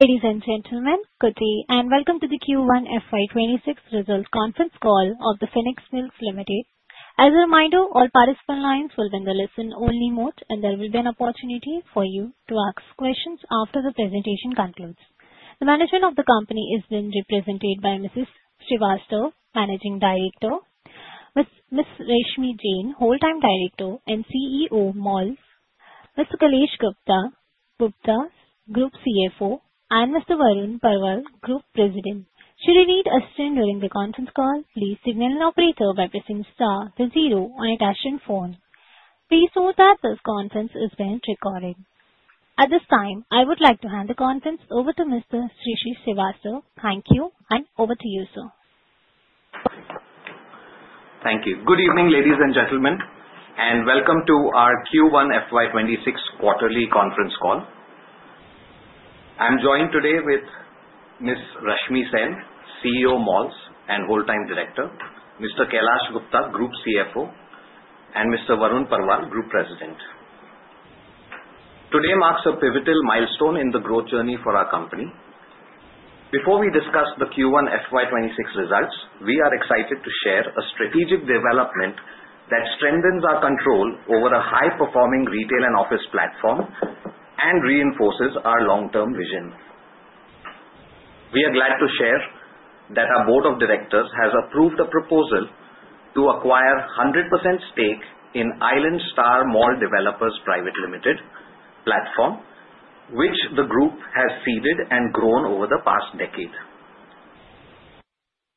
Ladies, and gentlemen, good day, and welcome to the Q1 FY 2026 Results Conference Call of The Phoenix Mills Limited. As a reminder, all participant lines will be in the listen-only mode, and there will be an opportunity for you to ask questions after the presentation concludes. The management of the company is being represented by Mr. Shishir Shrivastava, Managing Director, Ms. Rashmi Sen, Whole Time Director and CEO Malls, Mr. Kailash Gupta, Group CFO, and Mr. Varun Parwal, Group President. Should you need assistance during the conference call, please signal an operator by pressing the star to zero on your touchscreen phone. Please note that this conference is being recorded. At this time, I would like to hand the conference over to Mr. Shishir Shrivastava. Thank you, and over to you, sir. Thank you. Good evening, ladies, and gentlemen, and welcome to our Q1 FY 2026 Quarterly Conference Call. I'm joined today with Ms. Rashmi Sen, CEO Malls and Whole Time Director, Mr. Kailash Gupta, Group CFO, and Mr. Varun Parwal, Group President. Today marks a pivotal milestone in the growth journey for our company. Before we discuss the Q1 FY 2026 results, we are excited to share a strategic development that strengthens our control over a high-performing retail and office platform and reinforces our long-term vision. We are glad to share that our Board of Directors has approved a proposal to acquire 100% stake in Island Star Mall Developers Private Limited platform, which the group has seeded and grown over the past decade.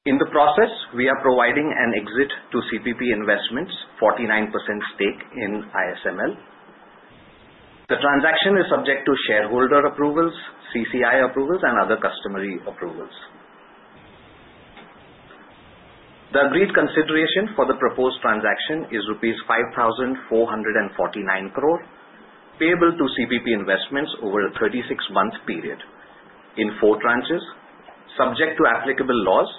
In the process, we are providing an exit to CPP Investments' 49% stake in ISML. The transaction is subject to shareholder approvals, CCI approvals, and other customary approvals. The agreed consideration for the proposed transaction is 5,449 crore rupees, payable to CPP Investments over a 36-month period in four tranches, subject to applicable laws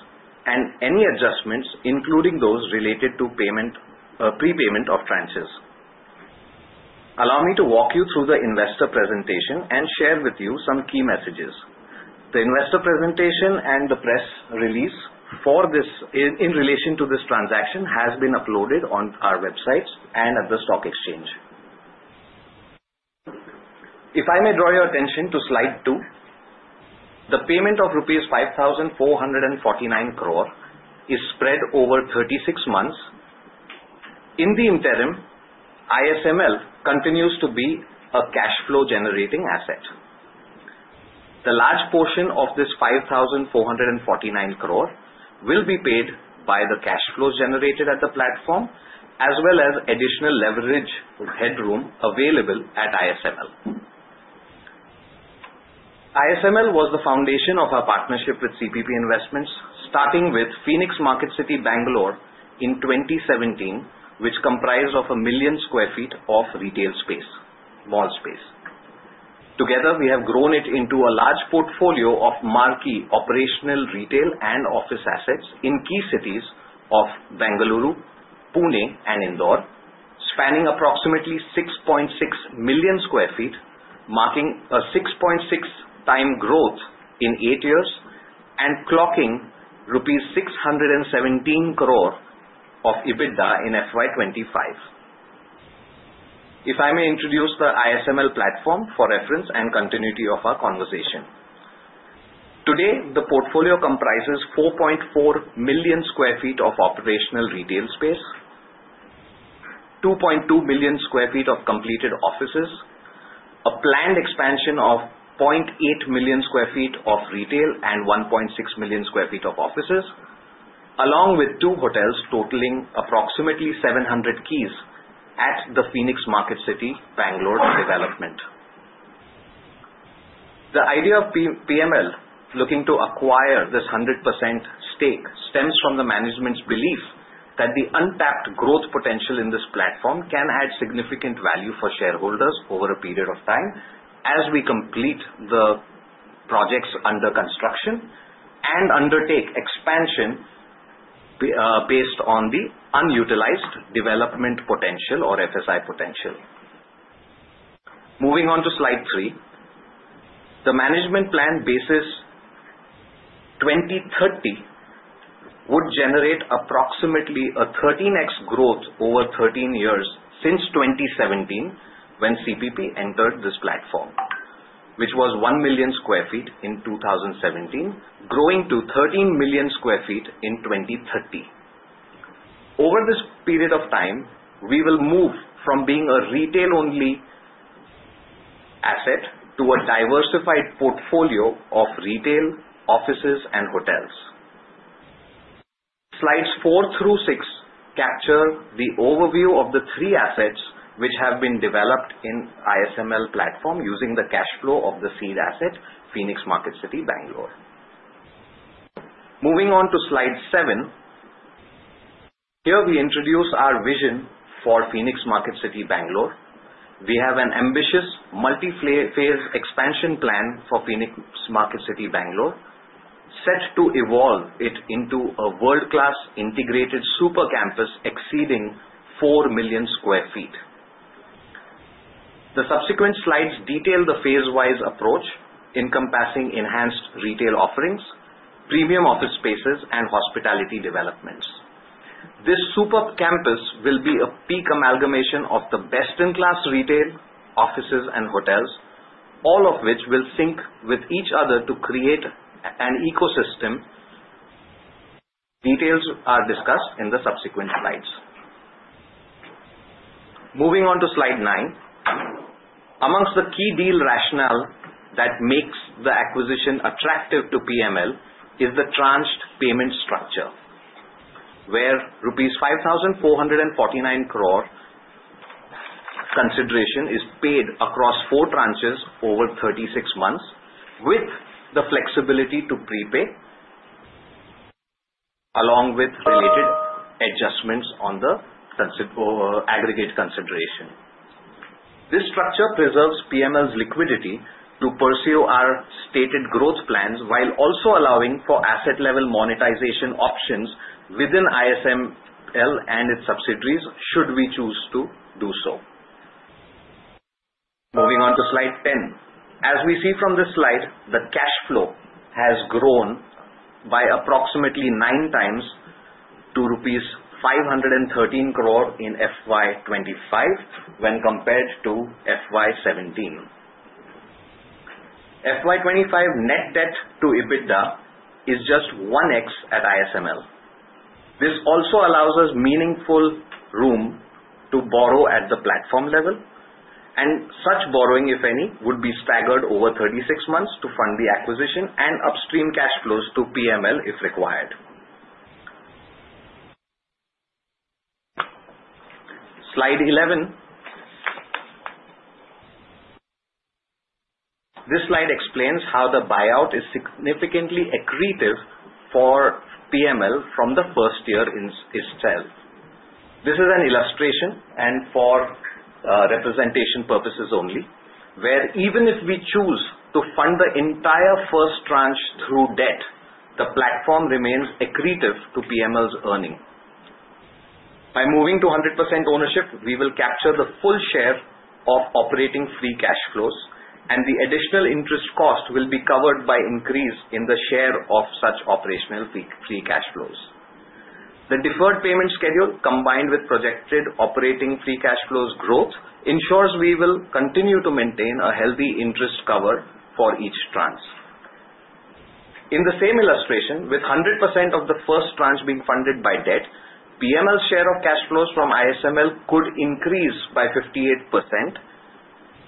and any adjustments, including those related to prepayment of tranches. Allow me to walk you through the investor presentation and share with you some key messages. The investor presentation and the press release in relation to this transaction have been uploaded on our websites and at the stock exchange. If I may draw your attention to slide two, the payment of rupees 5,449 crore is spread over 36 months. In the interim, ISML continues to be a cash flow-generating asset. The large portion of this 5,449 crore will be paid by the cash flows generated at the platform, as well as additional leverage headroom available at ISML. ISML was the foundation of our partnership with CPP Investments, starting with Phoenix Marketcity, Bengaluru, in 2017, which comprised a million sq ft of retail space, mall space. Together, we have grown it into a large portfolio of marquee operational retail and office assets in key cities of Bengaluru, Pune, and Indore, spanning approximately 6.6 million sq ft, marking a 6.6-time growth in eight years and clocking rupees 617 crore of EBITDA in FY 2025. If I may introduce the ISML platform for reference and continuity of our conversation. Today, the portfolio comprises 4.4 million sq ft of operational retail space, 2.2 million sq ft of completed offices, a planned expansion of 0.8 million sq ft of retail and 1.6 million sq ft of offices, along with two hotels totaling approximately 700 keys at the Phoenix Marketcity, Bengaluru development. The idea of PML looking to acquire this 100% stake stems from the management's belief that the untapped growth potential in this platform can add significant value for shareholders over a period of time as we complete the projects under construction and undertake expansion based on the unutilized development potential or FSI potential. Moving on to slide three, the management plan basis 2030 would generate approximately a 13x growth over 13 years since 2017 when CPP entered this platform, which was 1 million sq ft in 2017, growing to 13 million sq ft in 2030. Over this period of time, we will move from being a retail-only asset to a diversified portfolio of retail, offices, and hotels. Slides four through six capture the overview of the three assets which have been developed in ISML platform using the cash flow of the seed asset, Phoenix Marketcity, Bangalore. Moving on to slide seven, here we introduce our vision for Phoenix Marketcity, Bangalore. We have an ambitious multi-phase expansion plan for Phoenix Marketcity, Bangalore, set to evolve it into a world-class integrated super campus exceeding 4 million sq ft. The subsequent slides detail the phase-wise approach, encompassing enhanced retail offerings, premium office spaces, and hospitality developments. This super campus will be a peak amalgamation of the best-in-class retail, offices, and hotels, all of which will sync with each other to create an ecosystem. Details are discussed in the subsequent slides. Moving on to slide nine, among the key deal rationale that makes the acquisition attractive to PML is the tranched payment structure, where rupees 5,449 crore consideration is paid across four tranches over 36 months with the flexibility to prepay, along with related adjustments on the aggregate consideration. This structure preserves PML's liquidity to pursue our stated growth plans while also allowing for asset-level monetization options within ISML and its subsidiaries should we choose to do so. Moving on to slide 10, as we see from this slide, the cash flow has grown by approximately nine times to rupees 513 crore in FY 2025 when compared to FY 2017. FY 2025 net debt to EBITDA is just 1x at ISML. This also allows us meaningful room to borrow at the platform level, and such borrowing, if any, would be staggered over 36 months to fund the acquisition and upstream cash flows to PML if required. Slide 11, this slide explains how the buyout is significantly accretive for PML from the first year itself. This is an illustration and for representation purposes only, where even if we choose to fund the entire first tranche through debt, the platform remains accretive to PML's earnings. By moving to 100% ownership, we will capture the full share of operating free cash flows, and the additional interest cost will be covered by increase in the share of such operational free cash flows. The deferred payment schedule combined with projected operating free cash flows growth ensures we will continue to maintain a healthy interest cover for each tranche. In the same illustration, with 100% of the first tranche being funded by debt, PML's share of cash flows from ISML could increase by 58%,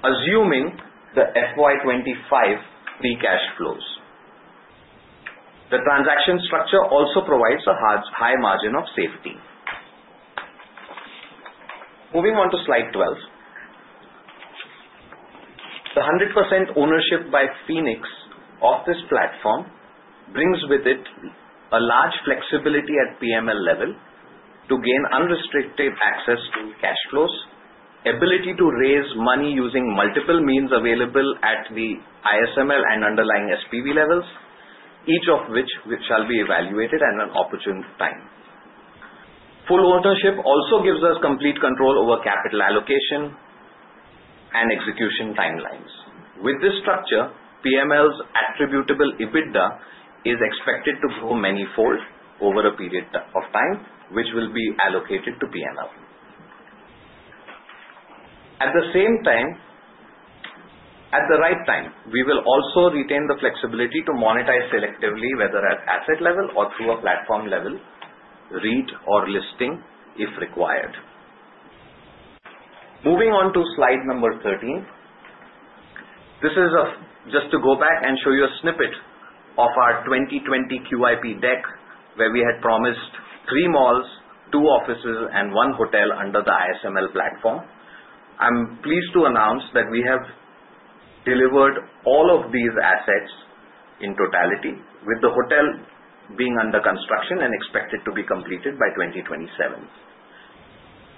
assuming the FY 2025 free cash flows. The transaction structure also provides a high margin of safety. Moving on to slide 12, the 100% ownership by Phoenix of this platform brings with it a large flexibility at PML level to gain unrestricted access to cash flows, ability to raise money using multiple means available at the ISML and underlying SPV levels, each of which shall be evaluated at an opportune time. Full ownership also gives us complete control over capital allocation and execution timelines. With this structure, PML's attributable EBITDA is expected to grow many-fold over a period of time, which will be allocated to PML. At the same time, at the right time, we will also retain the flexibility to monetize selectively, whether at asset level or through a platform level, REIT or listing if required. Moving on to slide number 13, this is just to go back and show you a snippet of our 2020 QIP deck, where we had promised three malls, two offices, and one hotel under the ISML platform. I'm pleased to announce that we have delivered all of these assets in totality, with the hotel being under construction and expected to be completed by 2027.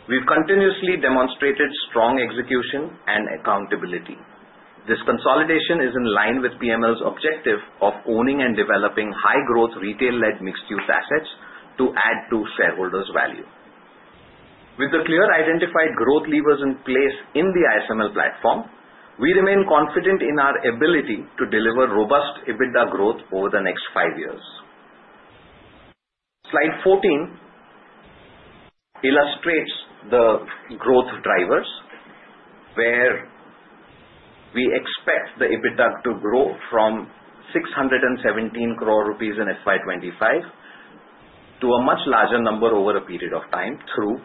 We've continuously demonstrated strong execution and accountability. This consolidation is in line with PML's objective of owning and developing high-growth retail-led mixed-use assets to add to shareholders' value. With the clear identified growth levers in place in the ISML platform, we remain confident in our ability to deliver robust EBITDA growth over the next five years. Slide 14 illustrates the growth drivers, where we expect the EBITDA to grow from 617 crore rupees in FY 2025 to a much larger number over a period of time through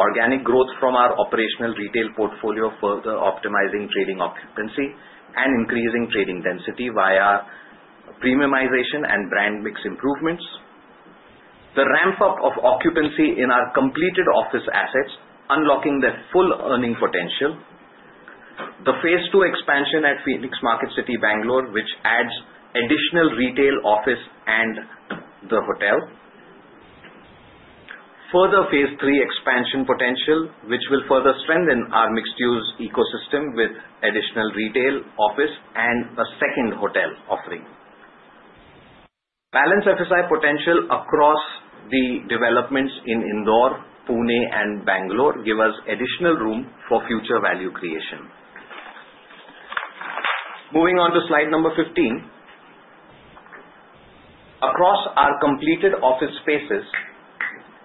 organic growth from our operational retail portfolio, further optimizing trading occupancy and increasing trading density via premiumization and brand mix improvements, the ramp-up of occupancy in our completed office assets, unlocking their full earning potential, the phase two expansion at Phoenix Marketcity, Bangalore, which adds additional retail, office, and the hotel, further phase three expansion potential, which will further strengthen our mixed-use ecosystem with additional retail, office, and a second hotel offering. Balanced FSI potential across the developments in Indore, Pune, and Bangalore gives us additional room for future value creation. Moving on to slide number 15, across our completed office spaces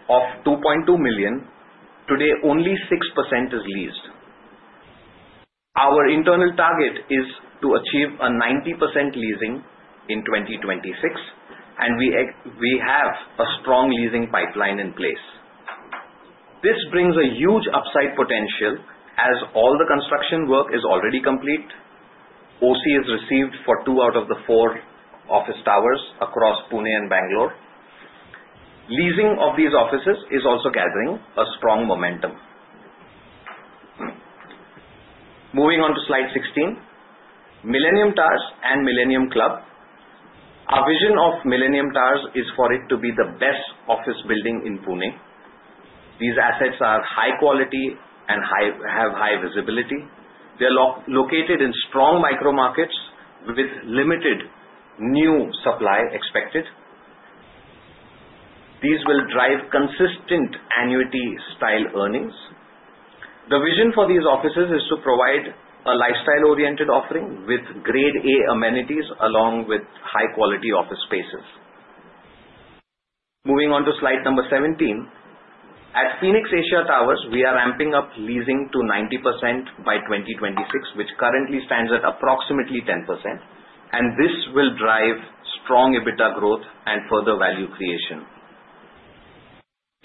of 2.2 million sq ft, today only 6% is leased. Our internal target is to achieve a 90% leasing in 2026, and we have a strong leasing pipeline in place. This brings a huge upside potential as all the construction work is already complete. OC is received for two out of the four office towers across Pune and Bangalore. Leasing of these offices is also gathering a strong momentum. Moving on to slide 16, Millennium Towers and Millennium Club. Our vision of Millennium Towers is for it to be the best office building in Pune. These assets are high quality and have high visibility. They are located in strong micro markets with limited new supply expected. These will drive consistent annuity-style earnings. The vision for these offices is to provide a lifestyle-oriented offering with grade A amenities along with high-quality office spaces. Moving on to slide number 17, at Phoenix Asia Towers, we are ramping up leasing to 90% by 2026, which currently stands at approximately 10%, and this will drive strong EBITDA growth and further value creation.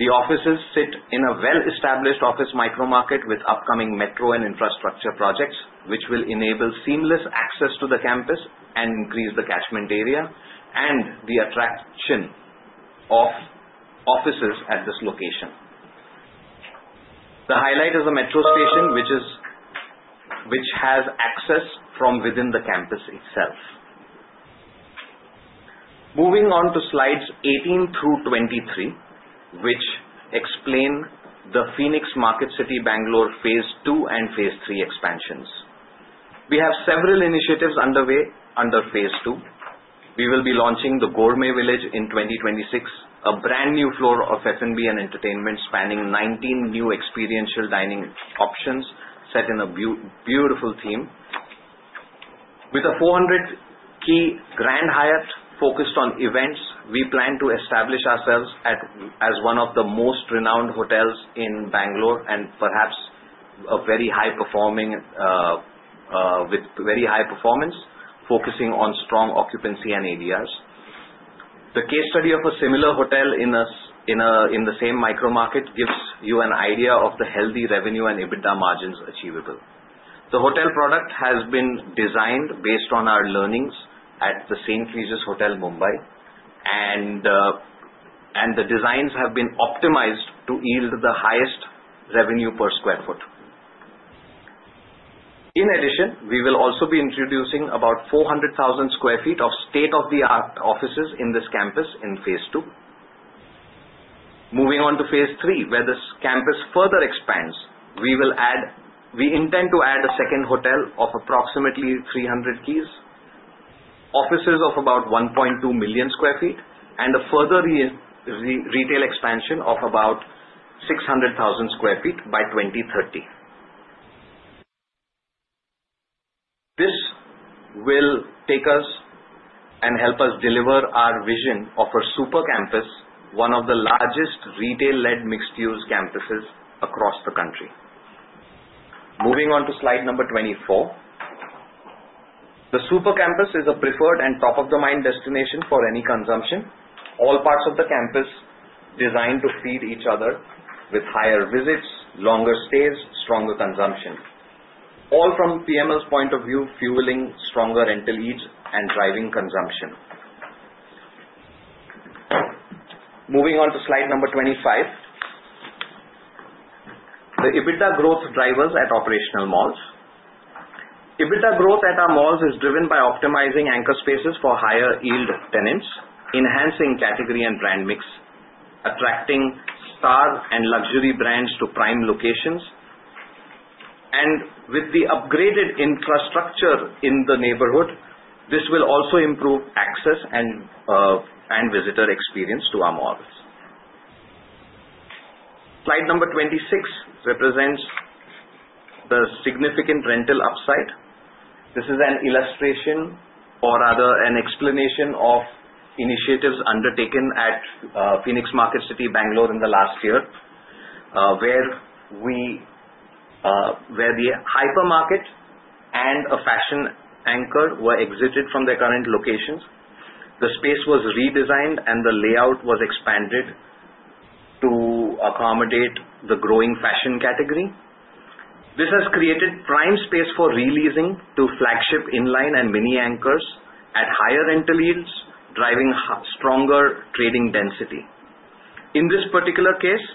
The offices sit in a well-established office micro market with upcoming metro and infrastructure projects, which will enable seamless access to the campus and increase the catchment area and the attraction of offices at this location. The highlight is the metro station, which has access from within the campus itself. Moving on to slides 18 through 23, which explain the Phoenix Marketcity, Bangalore phase two and phase three expansions. We have several initiatives underway under phase two. We will be launching the Gourmet Village in 2026, a brand new floor of F&B and entertainment spanning 19 new experiential dining options set in a beautiful theme. With a 400-key Grand Hyatt focused on events, we plan to establish ourselves as one of the most renowned hotels in Bangalore and perhaps a very high-performing with very high performance, focusing on strong occupancy and ADRs. The case study of a similar hotel in the same micro market gives you an idea of the healthy revenue and EBITDA margins achievable. The hotel product has been designed based on our learnings at the St. Regis Hotel Mumbai, and the designs have been optimized to yield the highest revenue per sq ft. In addition, we will also be introducing about 400,000 sq ft of state-of-the-art offices in this campus in phase two. Moving on to phase three, where this campus further expands, we intend to add a second hotel of approximately 300 keys, offices of about 1.2 million sq ft, and a further retail expansion of about 600,000 sq ft by 2030. This will take us and help us deliver our vision of a super campus, one of the largest retail-led mixed-use campuses across the country. Moving on to slide 24, the super campus is a preferred and top-of-the-mind destination for any consumption. All parts of the campus designed to feed each other with higher visits, longer stays, stronger consumption, all from PML's point of view, fueling stronger rental needs and driving consumption. Moving on to slide 25, the EBITDA growth drivers at operational malls. EBITDA growth at our malls is driven by optimizing anchor spaces for higher yield tenants, enhancing category and brand mix, attracting star and luxury brands to prime locations, and with the upgraded infrastructure in the neighborhood, this will also improve access and visitor experience to our malls. Slide number 26 represents the significant rental upside. This is an illustration, or rather an explanation, of initiatives undertaken at Phoenix Marketcity, Bangalore in the last year, where the hypermarket and a fashion anchor were exited from their current locations. The space was redesigned, and the layout was expanded to accommodate the growing fashion category. This has created prime space for releasing to flagship inline and mini anchors at higher rental yields, driving stronger trading density. In this particular case,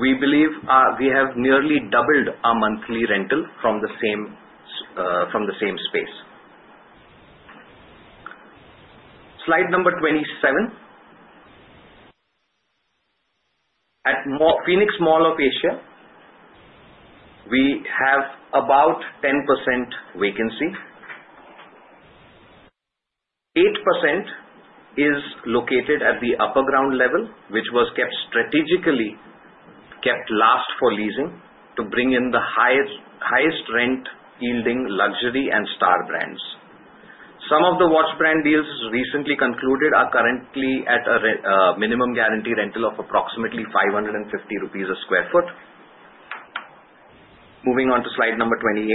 we believe we have nearly doubled our monthly rental from the same space. Slide number 27, at Phoenix Mall of Asia, we have about 10% vacancy. 8% is located at the upper ground level, which was strategically kept last for leasing to bring in the highest rent-yielding luxury and star brands. Some of the watch brand deals recently concluded are currently at a minimum guarantee rental of approximately 550 rupees sq ft. Moving on to slide number 28,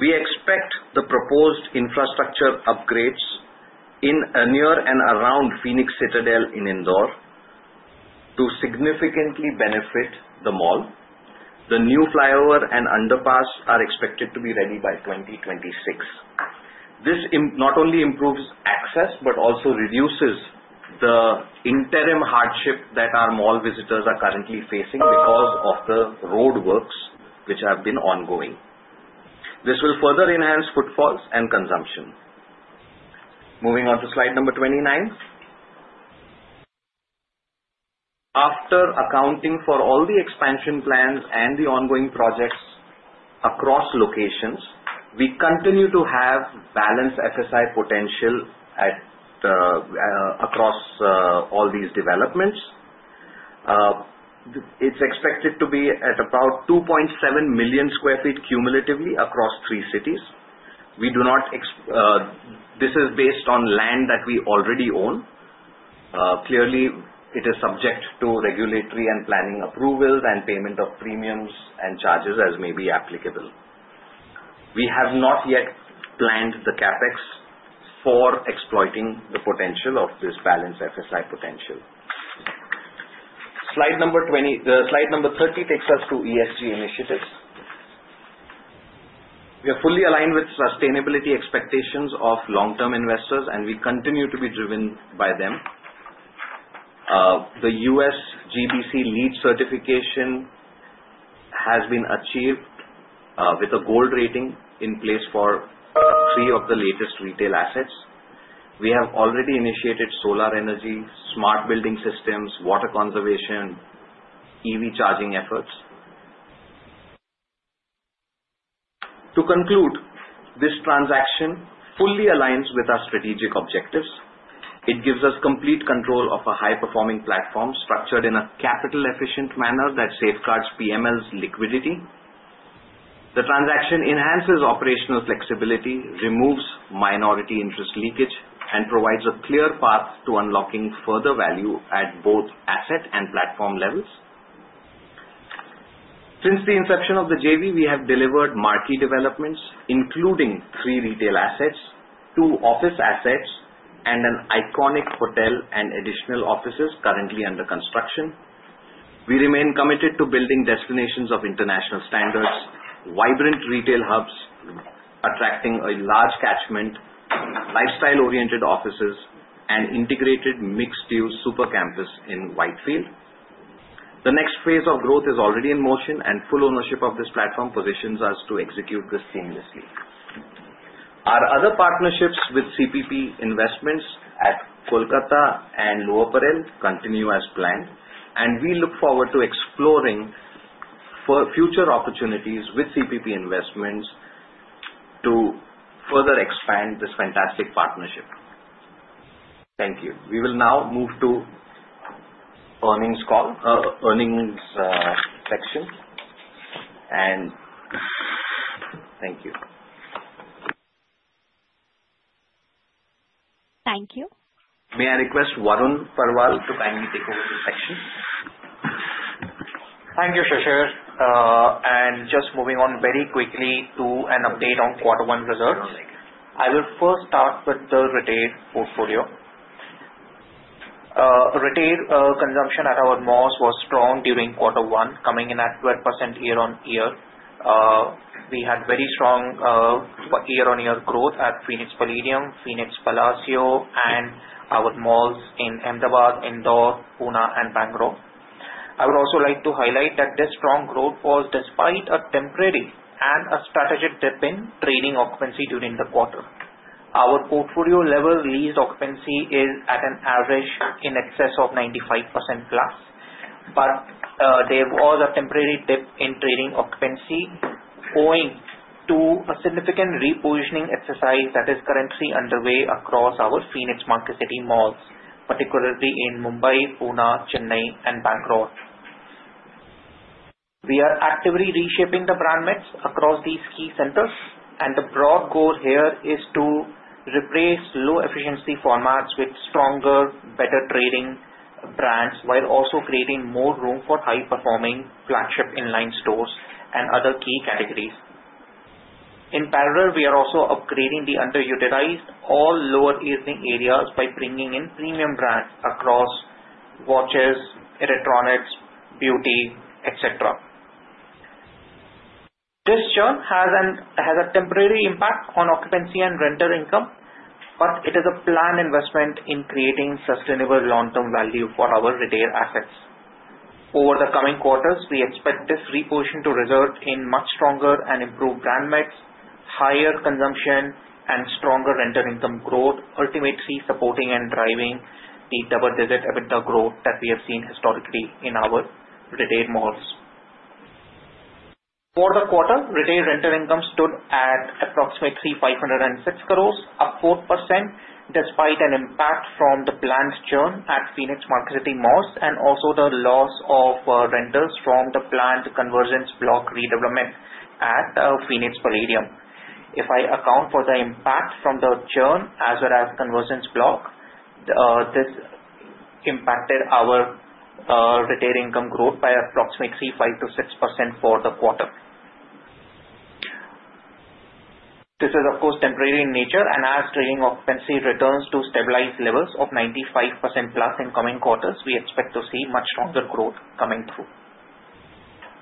we expect the proposed infrastructure upgrades near and around Phoenix Citadel in Indore to significantly benefit the mall. The new flyover and underpass are expected to be ready by 2026. This not only improves access but also reduces the interim hardship that our mall visitors are currently facing because of the roadworks which have been ongoing. This will further enhance footfalls and consumption. Moving on to slide number 29, after accounting for all the expansion plans and the ongoing projects across locations, we continue to have balanced FSI potential across all these developments. It's expected to be at about 2.7 million sq ft cumulatively across three cities. This is based on land that we already own. Clearly, it is subject to regulatory and planning approvals and payment of premiums and charges as may be applicable. We have not yet planned the CapEx for exploiting the potential of this balanced FSI potential. Slide number 30 takes us to ESG initiatives. We are fully aligned with sustainability expectations of long-term investors, and we continue to be driven by them. The USGBC LEED certification has been achieved with a gold rating in place for three of the latest retail assets. We have already initiated solar energy, smart building systems, water conservation, EV charging efforts. To conclude, this transaction fully aligns with our strategic objectives. It gives us complete control of a high-performing platform structured in a capital-efficient manner that safeguards PML's liquidity. The transaction enhances operational flexibility, removes minority interest leakage, and provides a clear path to unlocking further value at both asset and platform levels. Since the inception of the JV, we have delivered marquee developments, including three retail assets, two office assets, and an iconic hotel and additional offices currently under construction. We remain committed to building destinations of international standards, vibrant retail hubs attracting a large catchment, lifestyle-oriented offices, and integrated mixed-use super campus in Whitefield. The next phase of growth is already in motion, and full ownership of this platform positions us to execute this seamlessly. Our other partnerships with CPP Investments at Kolkata and Lower Parel continue as planned, and we look forward to exploring future opportunities with CPP Investments to further expand this fantastic partnership. Thank you. We will now move to earnings section. Thank you. Thank you. May I request Varun Parwal to kindly take over this section? Thank you, Shishir. And just moving on very quickly to an update on quarter one results, I will first start with the retail portfolio. Retail consumption at our malls was strong during quarter one, coming in at 12% year-on-year. We had very strong year-on-year growth at Phoenix Mall of the Millennium, Phoenix Palassio, and our malls in Ahmedabad, Indore, Pune, and Bangalore. I would also like to highlight that this strong growth was despite a temporary and a strategic dip in trading occupancy during the quarter. Our portfolio-level leased occupancy is at an average in excess of 95% plus, but there was a temporary dip in trading occupancy owing to a significant repositioning exercise that is currently underway across our Phoenix Marketcity malls, particularly in Mumbai, Pune, Chennai, and Bangalore. We are actively reshaping the brand mix across these key centers, and the broad goal here is to replace low-efficiency formats with stronger, better-trading brands while also creating more room for high-performing flagship inline stores and other key categories. In parallel, we are also upgrading the under-utilized lower-level areas by bringing in premium brands across watches, electronics, beauty, etc. This churn has a temporary impact on occupancy and rental income, but it is a planned investment in creating sustainable long-term value for our retail assets. Over the coming quarters, we expect this reposition to result in much stronger and improved brand mix, higher consumption, and stronger rental income growth, ultimately supporting and driving the double-digit EBITDA growth that we have seen historically in our retail malls. For the quarter, retail rental income stood at approximately 506 crores, up 4%, despite an impact from the planned churn at Phoenix Marketcity malls and also the loss of rentals from the planned Convergence Block redevelopment at Phoenix Palladium. If I account for the impact from the churn as well as Convergence Block, this impacted our retail income growth by approximately 5%-6% for the quarter. This is, of course, temporary in nature, and as trading occupancy returns to stabilized levels of 95% plus in coming quarters, we expect to see much stronger growth coming through.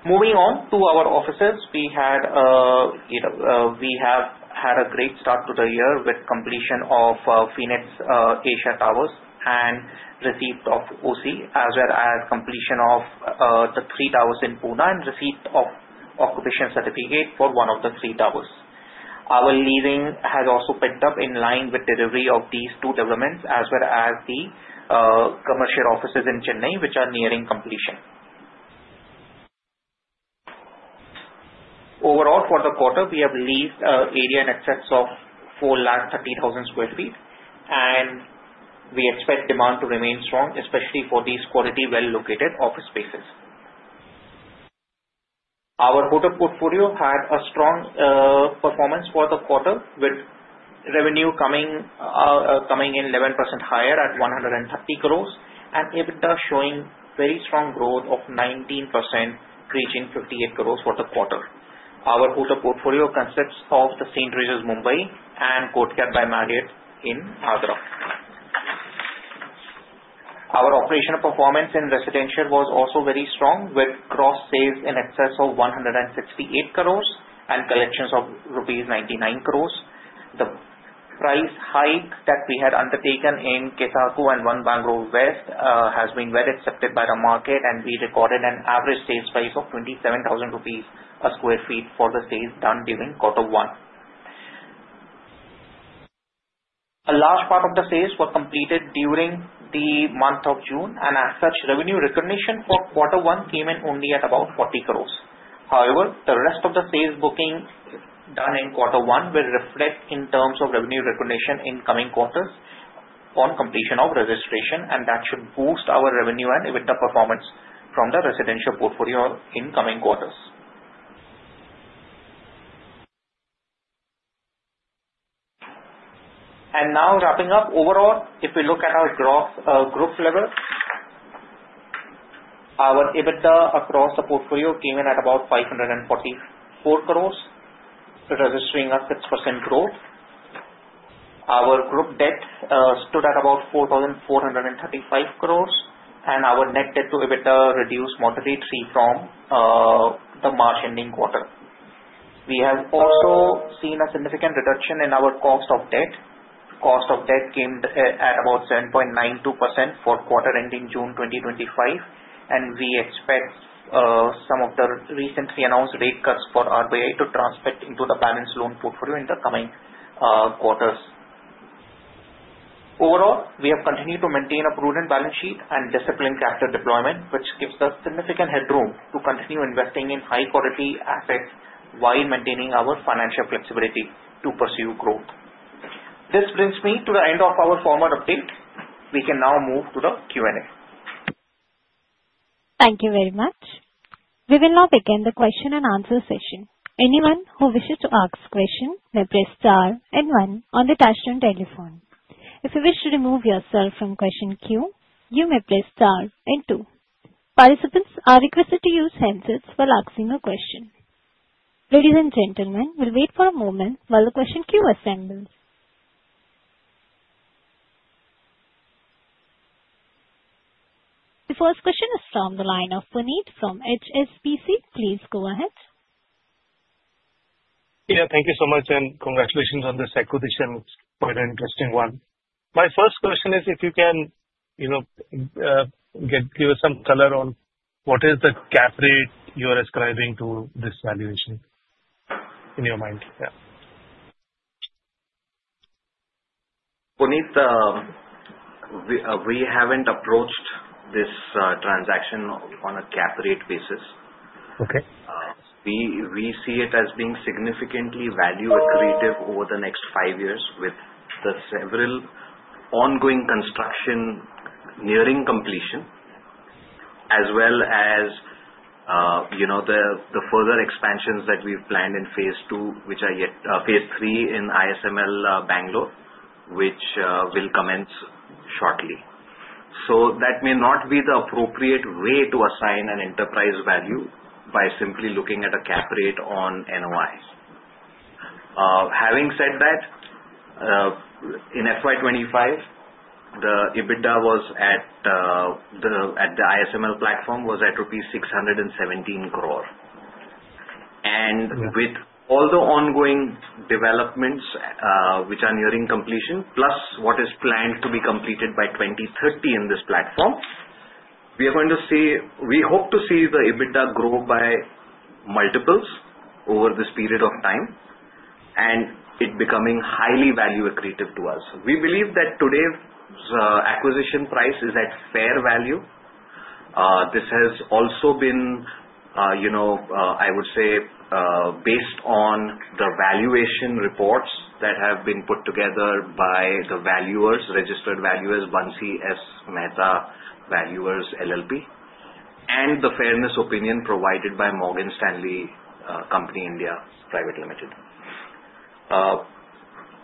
Moving on to our offices, we have had a great start to the year with completion of Phoenix Asia Towers and receipt of OC, as well as completion of the three towers in Pune and receipt of occupation certificate for one of the three towers. Our leasing has also picked up in line with delivery of these two developments, as well as the commercial offices in Chennai, which are nearing completion. Overall, for the quarter, we have leased an area in excess of 430,000 sq ft, and we expect demand to remain strong, especially for these quality well-located office spaces. Our total portfolio had a strong performance for the quarter, with revenue coming in 11% higher at 130 crores, and EBITDA showing very strong growth of 19%, reaching 58 crores for the quarter. Our total portfolio consists of the St. Regis Mumbai and Courtyard by Marriott in Agra. Our operational performance in residential was also very strong, with gross sales in excess of 168 crores and collections of rupees 99 crores. The price hike that we had undertaken in Kessaku and One Bangalore West has been well accepted by the market, and we recorded an average sales price of 27,000 rupees a sq ft for the sales done during quarter one. A large part of the sales were completed during the month of June, and as such, revenue recognition for quarter one came in only at about 40 crores. However, the rest of the sales booking done in quarter one will reflect in terms of revenue recognition in coming quarters on completion of registration, and that should boost our revenue and EBITDA performance from the residential portfolio in coming quarters. Now wrapping up, overall, if we look at our gross group level, our EBITDA across the portfolio came in at about 544 crores, registering a 6% growth. Our group debt stood at about 4,435 crores, and our Net Debt to EBITDA reduced moderately from the March ending quarter. We have also seen a significant reduction in our cost of debt. Cost of debt came at about 7.92% for quarter ending June 2025, and we expect some of the recently announced rate cuts for RBI to transmit into the balanced loan portfolio in the coming quarters. Overall, we have continued to maintain a prudent balance sheet and disciplined capital deployment, which gives us significant headroom to continue investing in high-quality assets while maintaining our financial flexibility to pursue growth. This brings me to the end of our formal update. We can now move to the Q&A. Thank you very much. We will now begin the question and answer session. Anyone who wishes to ask a question may press star and one on the touchscreen telephone. If you wish to remove yourself from question queue, you may press star and two. Participants are requested to use handsets while asking a question. Ladies, and gentlemen, we'll wait for a moment while the question queue assembles. The first question is from the line of Puneet from HSBC. Please go ahead. Yeah, thank you so much, and congratulations on the acquisition. It's quite an interesting one. My first question is, if you can give us some color on what is the cap rate you are ascribing to this valuation in your mind? Puneet, we haven't approached this transaction on a cap rate basis. We see it as being significantly value-accretive over the next five years with the several ongoing construction nearing completion, as well as the further expansions that we've planned in phase two, which are phase three in ISML Bangalore, which will commence shortly. So that may not be the appropriate way to assign an enterprise value by simply looking at a cap rate on NOI. Having said that, in FY 2025, the EBITDA at the ISML platform was at rupees 617 crore, and with all the ongoing developments which are nearing completion, plus what is planned to be completed by 2030 in this platform, we are going to see, we hope to see the EBITDA grow by multiples over this period of time and it becoming highly value-accretive to us. We believe that today's acquisition price is at fair value. This has also been, I would say, based on the valuation reports that have been put together by the valuers, registered valuers, Bansi S. Mehta Valuers LLP, and the fairness opinion provided by Morgan Stanley India Company Private Limited.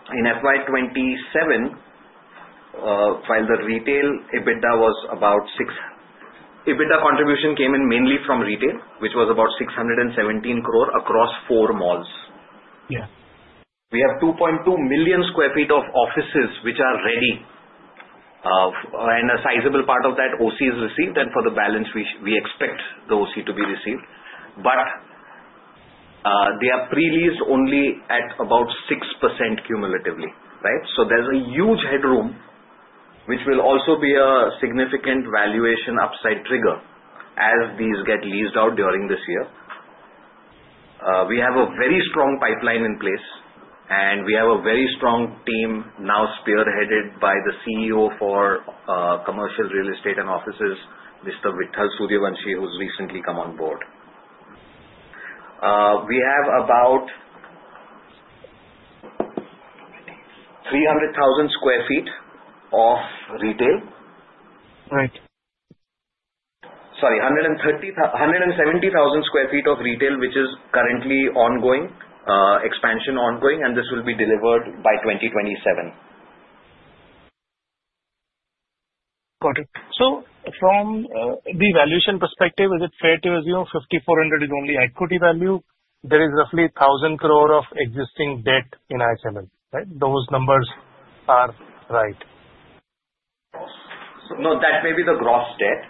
In FY 2027, while the retail EBITDA was about six, EBITDA contribution came in mainly from retail, which was about 617 crore across four malls. We have 2.2 million sq ft of offices which are ready, and a sizable part of that OC is received, and for the balance, we expect the OC to be received. But they are pre-leased only at about 6% cumulatively, right? So there's a huge headroom which will also be a significant valuation upside trigger as these get leased out during this year. We have a very strong pipeline in place, and we have a very strong team now spearheaded by the CEO for commercial real estate and offices, Mr. Vitthal Suryavanshi, who's recently come on board. We have about 300,000 sq ft of retail. Right. Sorry, 170,000 sq ft of retail, which is currently ongoing, expansion ongoing, and this will be delivered by 2027. Got it. So from the valuation perspective, is it fair to assume 5,400 is only equity value? There is roughly 1,000 crore of existing debt in ISML, right? Those numbers are right. No, that may be the gross debt.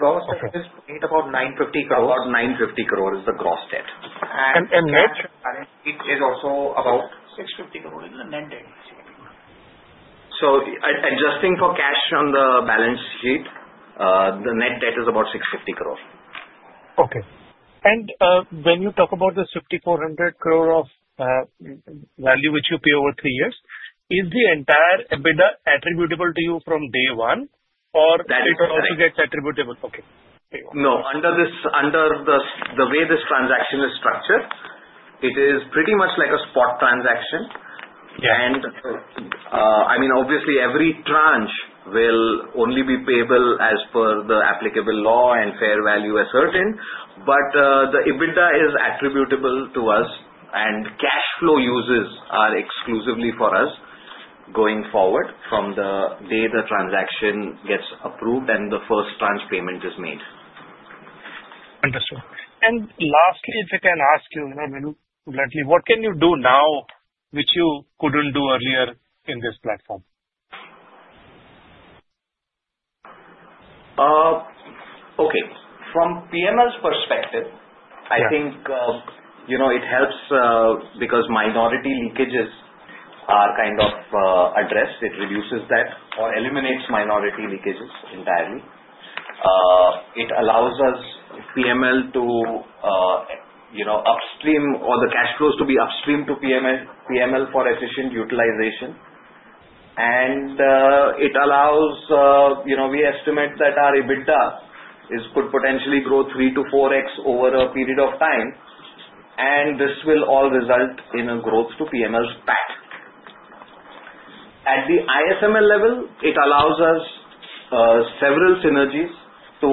Gross debt is about 950 crore. About 950 crore is the gross debt. And net? And net debt is also about 650 crore. So adjusting for cash on the balance sheet, the net debt is about 650 crore. Okay. When you talk about this 5,400 crore of value which you pay over three years, is the entire EBITDA attributable to you from day one, or it also gets attributable? Okay. No, under the way this transaction is structured, it is pretty much like a spot transaction. And I mean, obviously, every tranche will only be payable as per the applicable law and fair value asserted, but the EBITDA is attributable to us, and cash flow uses are exclusively for us going forward from the day the transaction gets approved and the first tranche payment is made. Understood. And lastly, if I can ask you very bluntly, what can you do now which you couldn't do earlier in this platform? Okay. From PML's perspective, I think it helps because minority leakages are kind of addressed. It reduces that or eliminates minority leakages entirely. It allows us, PML, to upstream or the cash flows to be upstream to PML for efficient utilization, and it allows, we estimate that our EBITDA could potentially grow 3x-4x over a period of time, and this will all result in a growth to PML's back. At the ISML level, it allows us several synergies to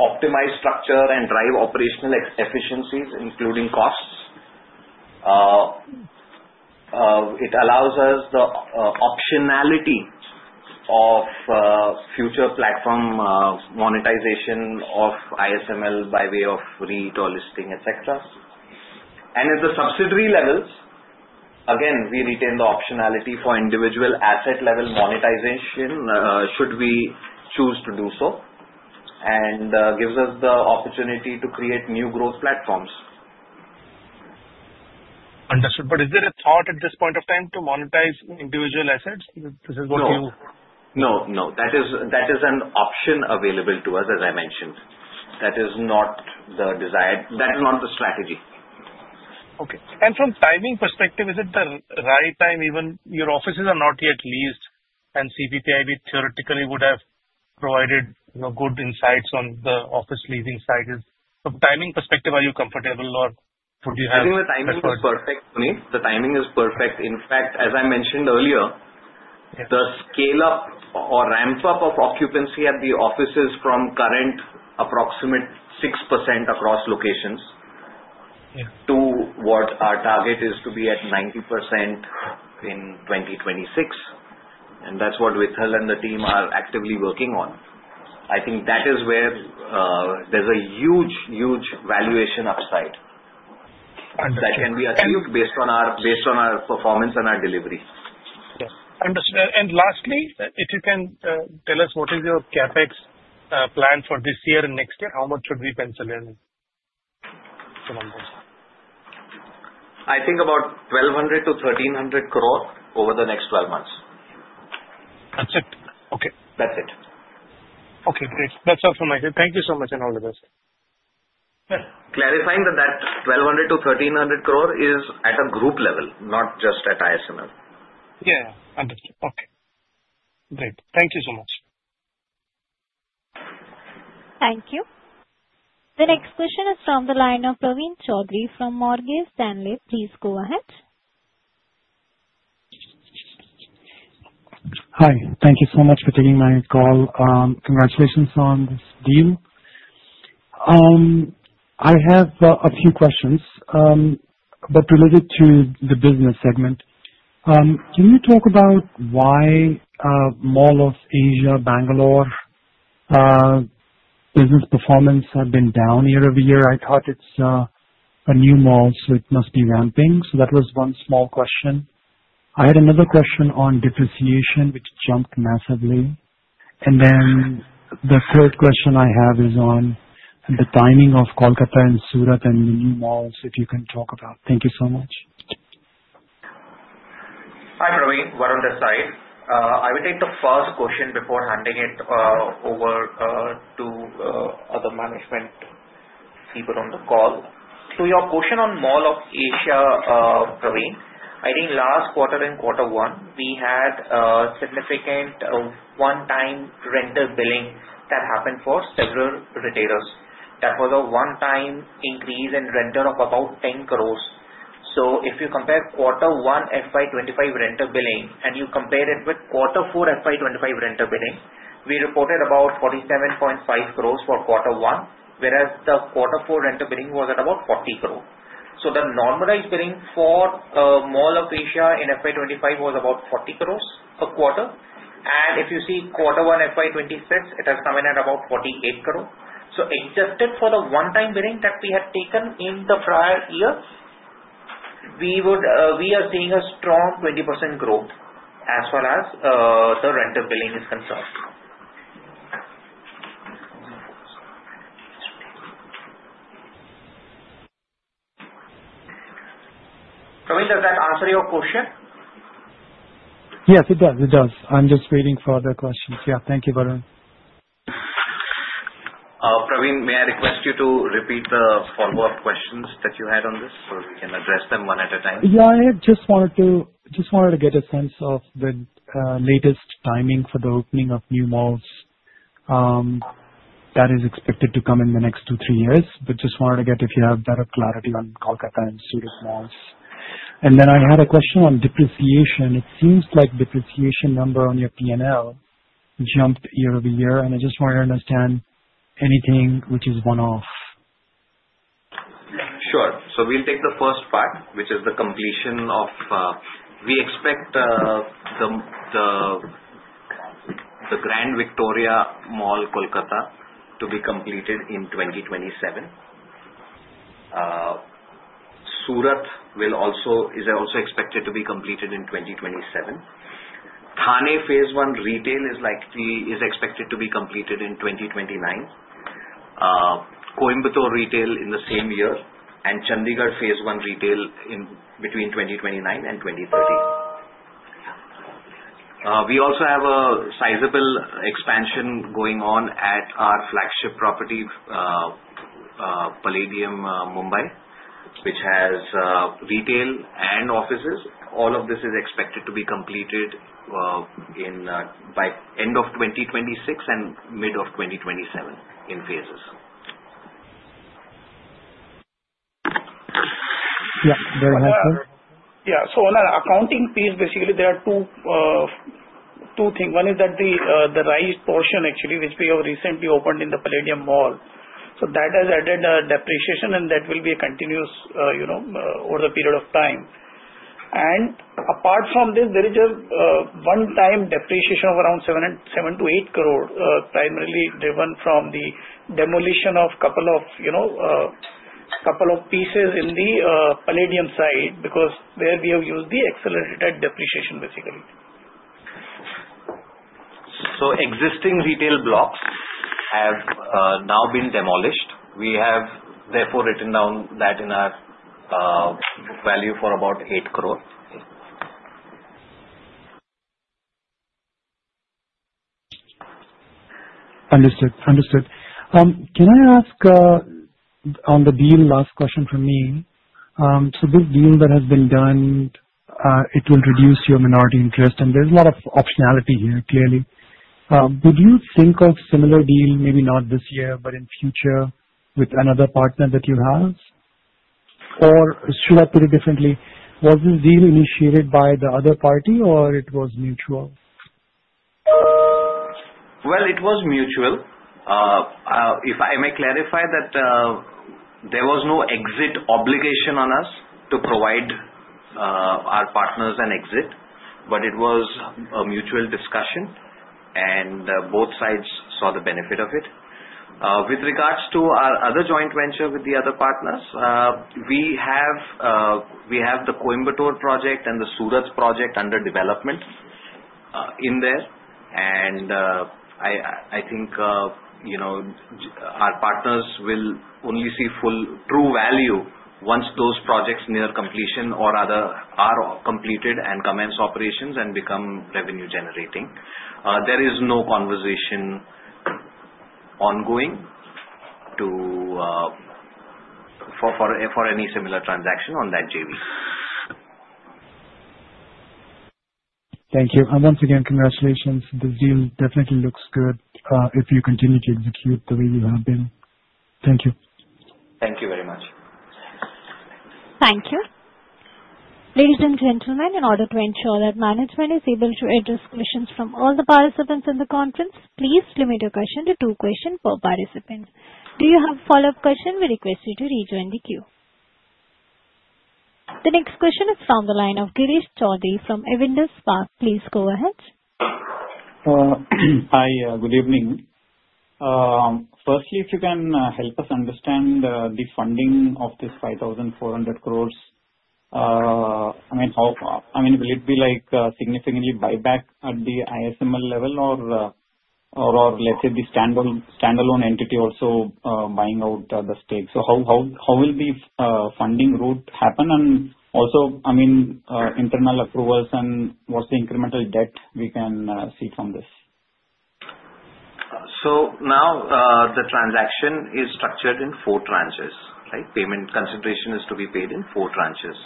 optimize structure and drive operational efficiencies, including costs. It allows us the optionality of future platform monetization of ISML by way of REIT or listing, et cetera, and at the subsidiary levels, again, we retain the optionality for individual asset-level monetization should we choose to do so, and gives us the opportunity to create new growth platforms. Understood, but is there a thought at this point of time to monetize individual assets? This is what you - No, no, no. That is an option available to us, as I mentioned. That is not the strategy. Okay. And from timing perspective, is it the right time? Even your offices are not yet leased, and CPPIB theoretically would have provided good insights on the office leasing side. From timing perspective, are you comfortable, or would you have— The timing is perfect, Puneet. The timing is perfect. In fact, as I mentioned earlier, the scale-up or ramp-up of occupancy at the offices from current approximate 6% across locations to what our target is to be at 90% in 2026, and that's what Vitthal and the team are actively working on. I think that is where there's a huge, huge valuation upside that can be achieved based on our performance and our delivery. Understood. And lastly, if you can tell us what is your CapEx plan for this year and next year, how much should we pencil in? I think about 1,200 crore-1,300 crore over the next 12 months. That's it. Okay. That's it. Okay, great. That's all from my side. Thank you so much and all the best. Clarifying that that 1,200 crore-1,300 crore is at a group level, not just at ISML. Yeah, yeah. Understood. Okay. Great. Thank you so much. Thank you. The next question is from the line of Praveen Choudhary from Morgan Stanley. Please go ahead. Hi. Thank you so much for taking my call. Congratulations on this deal. I have a few questions, but related to the business segment. Can you talk about why Mall of Asia Bangalore business performance has been down year-over-year? I thought it's a new mall, so it must be ramping. So that was one small question. I had another question on depreciation, which jumped massively. And then the third question I have is on the timing of Kolkata and Surat and the new malls, if you can talk about. Thank you so much. Hi, Praveen. Varun on the side. I will take the first question before handing it over to the management people on the call. To your question on Mall of Asia, Praveen, I think last quarter and quarter one, we had significant one-time rental billing that happened for several retailers. That was a one-time increase in rental of about 10 crores. So if you compare quarter one FY 2025 rental billing and you compare it with quarter four FY 2025 rental billing, we reported about 47.5 crores for quarter one, whereas the quarter four rental billing was at about 40 crores. So the normalized billing for Mall of Asia in FY 2025 was about 40 crores per quarter. If you see quarter one FY 2026, it has come in at about 48 crores. So adjusted for the one-time billing that we had taken in the prior year, we are seeing a strong 20% growth as far as the rental billing is concerned. Praveen, does that answer your question? Yes, it does. It does. I'm just waiting for other questions. Yeah. Thank you, Varun. Praveen, may I request you to repeat the follow-up questions that you had on this so we can address them one at a time? Yeah. I just wanted to get a sense of the latest timing for the opening of new malls that is expected to come in the next two, three years, but just wanted to get if you have better clarity on Kolkata and Surat malls. And then I had a question on depreciation. It seems like depreciation number on your PNL jumped year-over-year, and I just wanted to understand anything which is one-off. Sure. So we'll take the first part, which is the completion of. We expect the Grand Victoria mall, Kolkata, to be completed in 2027. Surat is also expected to be completed in 2027. Thane Phase One Retail is expected to be completed in 2029. Coimbatore Retail in the same year, and Chandigarh Phase One Retail between 2029 and 2030. We also have a sizable expansion going on at our flagship property, Phoenix Palladium, Mumbai, which has retail and offices. All of this is expected to be completed by end of 2026 and mid of 2027 in phases. Yeah. Very helpful. Yeah. So on an accounting piece, basically, there are two things. One is that the Project Rise portion actually, which we have recently opened in the Phoenix Palladium, so that has added depreciation, and that will be a continuous over the period of time. Apart from this, there is just one-time depreciation of around 7 crore-8 crore, primarily driven from the demolition of a couple of pieces in the Phoenix Palladium side because there we have used the accelerated depreciation, basically. Existing retail blocks have now been demolished. We have therefore written down that in our book value for about INR 8 crore. Understood. Understood. Can I ask on the deal, last question from me? So this deal that has been done, it will reduce your minority interest, and there's a lot of optionality here, clearly. Would you think of a similar deal, maybe not this year, but in future, with another partner that you have? Or should I put it differently? Was this deal initiated by the other party, or it was mutual? Well, it was mutual. May I clarify that there was no exit obligation on us to provide our partners an exit, but it was a mutual discussion, and both sides saw the benefit of it. With regards to our other joint venture with the other partners, we have the Coimbatore project and the Surat project under development in there. And I think our partners will only see full true value once those projects near completion or other are completed and commence operations and become revenue-generating. There is no conversation ongoing for any similar transaction on that JV. Thank you. And once again, congratulations. This deal definitely looks good if you continue to execute the way you have been. Thank you. Thank you very much. Thank you. Ladies and gentlemen, in order to ensure that management is able to address questions from all the participants in the conference, please limit your question to two questions per participant. Do you have a follow-up question? We request you to rejoin the queue. The next question is from the line of Girish Choudhary from Avendus Spark. Please go ahead. Hi. Good evening. Firstly, if you can help us understand the funding of this 5,400 crores, I mean, will it be significantly buyback at the ISML level, or let's say the standalone entity also buying out the stake? So how will the funding route happen? And also, I mean, internal approvals and what's the incremental debt we can see from this? So now the transaction is structured in four tranches, right? Payment consideration is to be paid in four tranches.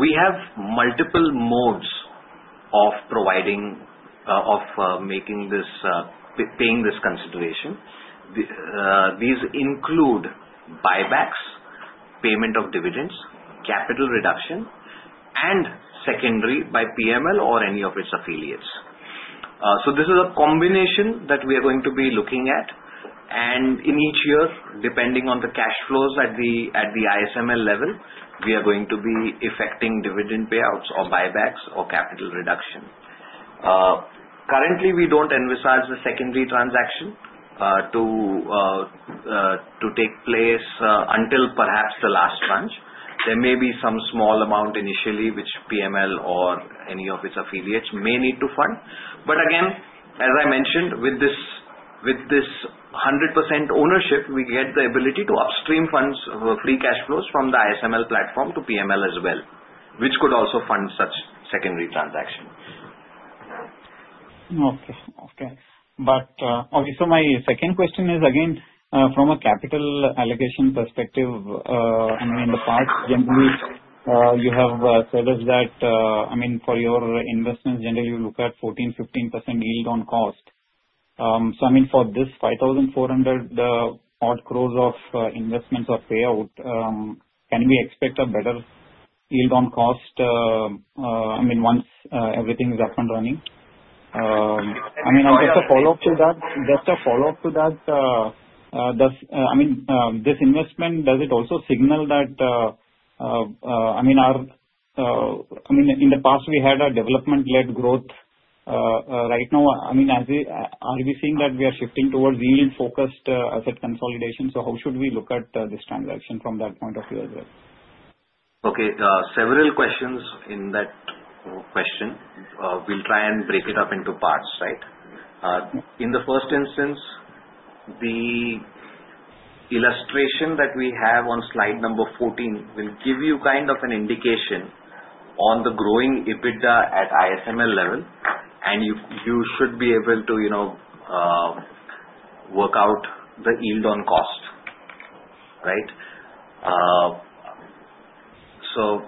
We have multiple modes of making this paying this consideration. These include buybacks, payment of dividends, capital reduction, and secondary by PML or any of its affiliates. So this is a combination that we are going to be looking at. And in each year, depending on the cash flows at the ISML level, we are going to be effecting dividend payouts or buybacks or capital reduction. Currently, we don't envisage a secondary transaction to take place until perhaps the last tranche. There may be some small amount initially, which PML or any of its affiliates may need to fund. But again, as I mentioned, with this 100% ownership, we get the ability to upstream funds or free cash flows from the ISML platform to PML as well, which could also fund such secondary transaction. Okay. Okay. But okay, so my second question is, again, from a capital allocation perspective, I mean, in the past, generally, you have said that, I mean, for your investments, generally, you look at 14%-15% yield on cost. So I mean, for this 5,400 crores of investments or payout, can we expect a better yield on cost, I mean, once everything is up and running? I mean, just a follow-up to that, I mean, this investment, does it also signal that, I mean, in the past, we had a development-led growth? Right now, I mean, are we seeing that we are shifting towards yield-focused asset consolidation? So how should we look at this transaction from that point of view as well? Okay. Several questions in that question. We'll try and break it up into parts, right? In the first instance, the illustration that we have on slide number 14 will give you kind of an indication on the growing EBITDA at ISML level, and you should be able to work out the yield on cost, right? So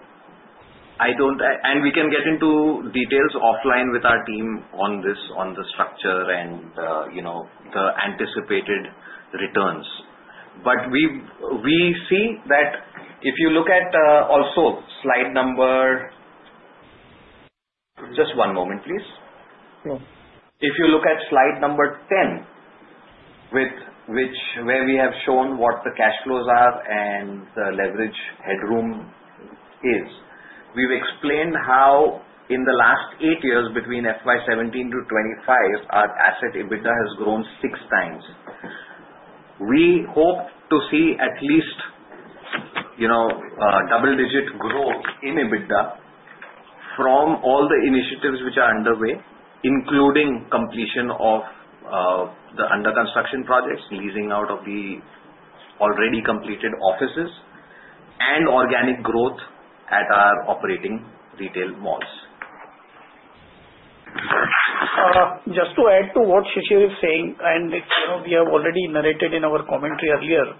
I don't and we can get into details offline with our team on this, on the structure and the anticipated returns. But we see that if you look at also slide number just one moment, please. If you look at slide number 10, where we have shown what the cash flows are and the leverage headroom is, we've explained how in the last eight years between FY 2017 to FY 2025, our asset EBITDA has grown six times. We hope to see at least double-digit growth in EBITDA from all the initiatives which are underway, including completion of the under-construction projects, leasing out of the already completed offices, and organic growth at our operating retail malls. Just to add to what Shishir is saying, and we have already narrated in our commentary earlier,